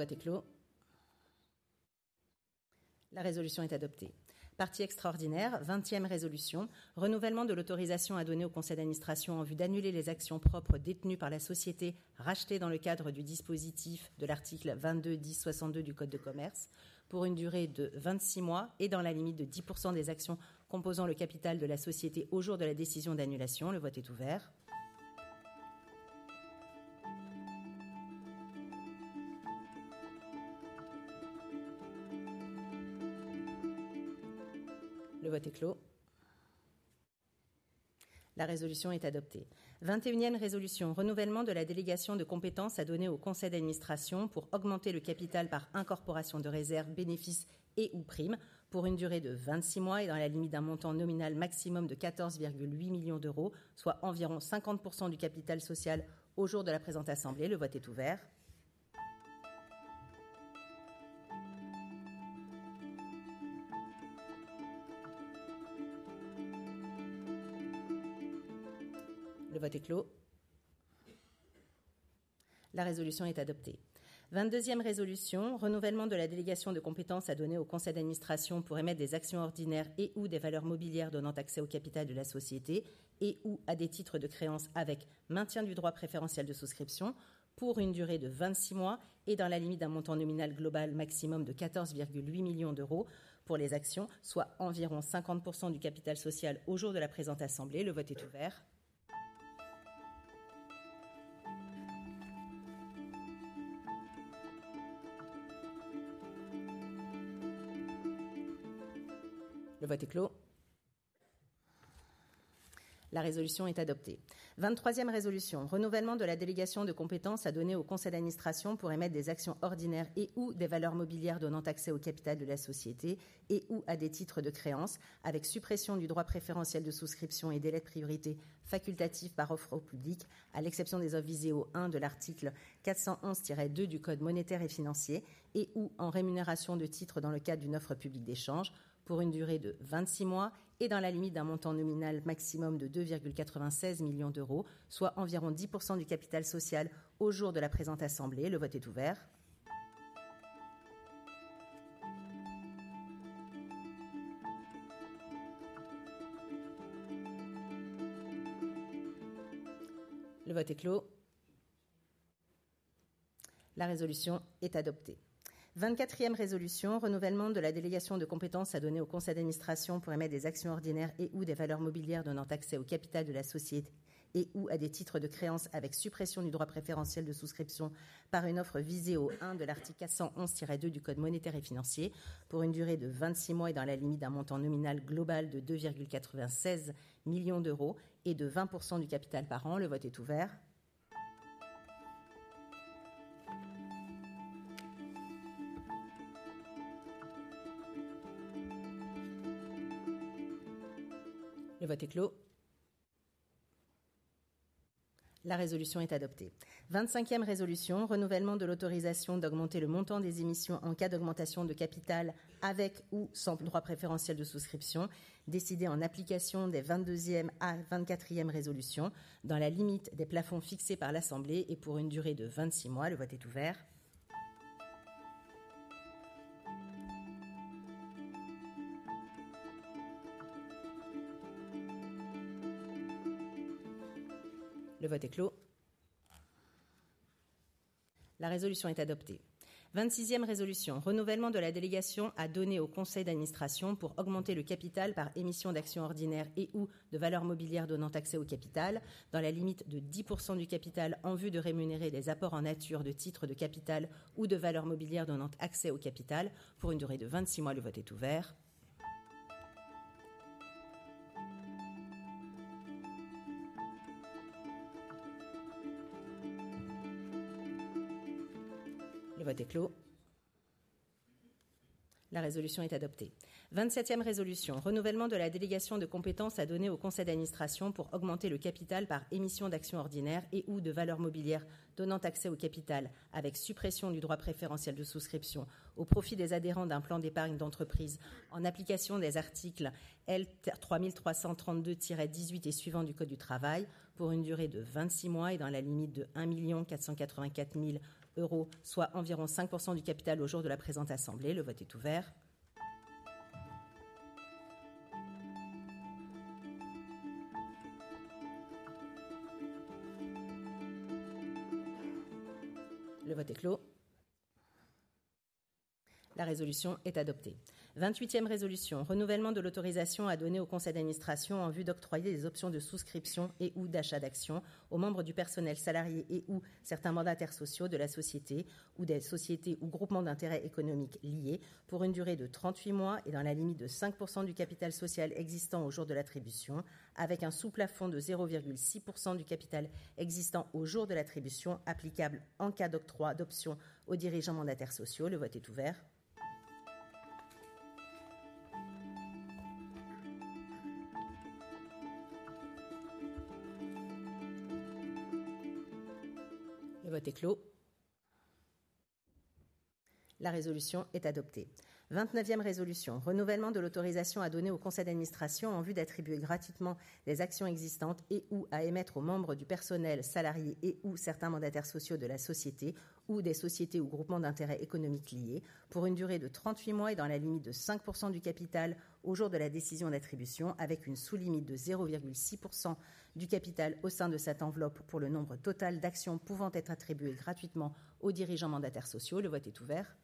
Le vote est clos. La résolution est adoptée. Partie extraordinaire, vingtième résolution: renouvellement de l'autorisation à donner au conseil d'administration en vue d'annuler les actions propres détenues par la société rachetées dans le cadre du dispositif de l'article L. 22-10-62 du code de commerce pour une durée de 26 mois et dans la limite de 10% des actions composant le capital de la société au jour de la décision d'annulation. Le vote est ouvert. Le vote est clos. La résolution est adoptée. Vingt-et-unième résolution, renouvellement de la délégation de compétence à donner au conseil d'administration pour augmenter le capital par incorporation de réserves, bénéfices et/ou primes pour une durée de 26 mois et dans la limite d'un montant nominal maximum de €14,8 millions, soit environ 50% du capital social au jour de la présente assemblée. Le vote est ouvert. Le vote est clos. La résolution est adoptée. Vingt-deuxième résolution, renouvellement de la délégation de compétence à donner au conseil d'administration pour émettre des actions ordinaires et/ou des valeurs mobilières donnant accès au capital de la société et/ou à des titres de créance avec maintien du droit préférentiel de souscription pour une durée de 26 mois et dans la limite d'un montant nominal global maximum de 14,8 millions d'euros pour les actions, soit environ 50% du capital social au jour de la présente assemblée. Le vote est ouvert. Le vote est clos. La résolution est adoptée. Vingt-troisième résolution, renouvellement de la délégation de compétence à donner au conseil d'administration pour émettre des actions ordinaires et/ou des valeurs mobilières donnant accès au capital de la société et/ou à des titres de créance avec suppression du droit préférentiel de souscription et délai de priorité facultatif par offre au public, à l'exception des offres visées au 1 de l'article 411-2 du code monétaire et financier et/ou en rémunération de titres dans le cadre d'une offre publique d'échange pour une durée de 26 mois et dans la limite d'un montant nominal maximum de 2,96 millions d'euros, soit environ 10% du capital social au jour de la présente assemblée. Le vote est ouvert. Le vote est clos. La résolution est adoptée. Vingt-quatrième résolution: renouvellement de la délégation de compétence à donner au conseil d'administration pour émettre des actions ordinaires et/ou des valeurs mobilières donnant accès au capital de la société et/ou à des titres de créance avec suppression du droit préférentiel de souscription par une offre visée au 1 de l'article 411-2 du code monétaire et financier pour une durée de 26 mois et dans la limite d'un montant nominal global de €2,96 millions et de 20% du capital par an. Le vote est ouvert. Le vote est clos. La résolution est adoptée. Vingt-cinquième résolution: renouvellement de l'autorisation d'augmenter le montant des émissions en cas d'augmentation de capital avec ou sans droit préférentiel de souscription décidé en application des vingt-deuxième à vingt-quatrième résolutions dans la limite des plafonds fixés par l'assemblée et pour une durée de 26 mois. Le vote est ouvert. Le vote est clos. La résolution est adoptée. Vingt-sixième résolution, renouvellement de la délégation à donner au conseil d'administration pour augmenter le capital par émission d'actions ordinaires et/ou de valeurs mobilières donnant accès au capital dans la limite de 10% du capital en vue de rémunérer les apports en nature de titres de capital ou de valeurs mobilières donnant accès au capital pour une durée de 26 mois. Le vote est ouvert. Le vote est clos. La résolution est adoptée. Vingt-septième résolution: renouvellement de la délégation de compétence à donner au conseil d'administration pour augmenter le capital par émission d'actions ordinaires et/ou de valeurs mobilières donnant accès au capital avec suppression du droit préférentiel de souscription au profit des adhérents d'un plan d'épargne d'entreprise en application des articles L3332-18 et suivants du code du travail pour une durée de 26 mois et dans la limite de 1 484 000 €, soit environ 5% du capital au jour de la présente assemblée. Le vote est ouvert. Le vote est clos. La résolution est adoptée. Vingt-huitième résolution: renouvellement de l'autorisation à donner au conseil d'administration en vue d'octroyer des options de souscription et/ou d'achat d'actions aux membres du personnel salarié et/ou certains mandataires sociaux de la société ou des sociétés ou groupements d'intérêts économiques liés pour une durée de 38 mois et dans la limite de 5% du capital social existant au jour de l'attribution avec un sous-plafond de 0,6% du capital existant au jour de l'attribution applicable en cas d'octroi d'options aux dirigeants mandataires sociaux. Le vote est ouvert. Le vote est clos. La résolution est adoptée. Vingt-neuvième résolution: renouvellement de l'autorisation à donner au conseil d'administration en vue d'attribuer gratuitement les actions existantes et/ou à émettre aux membres du personnel salarié et/ou certains mandataires sociaux de la société ou des sociétés ou groupements d'intérêts économiques liés, pour une durée de 38 mois et dans la limite de 5% du capital au jour de la décision d'attribution, avec une sous-limite de 0,6% du capital au sein de cette enveloppe pour le nombre total d'actions pouvant être attribuées gratuitement aux dirigeants mandataires sociaux. Le vote est ouvert.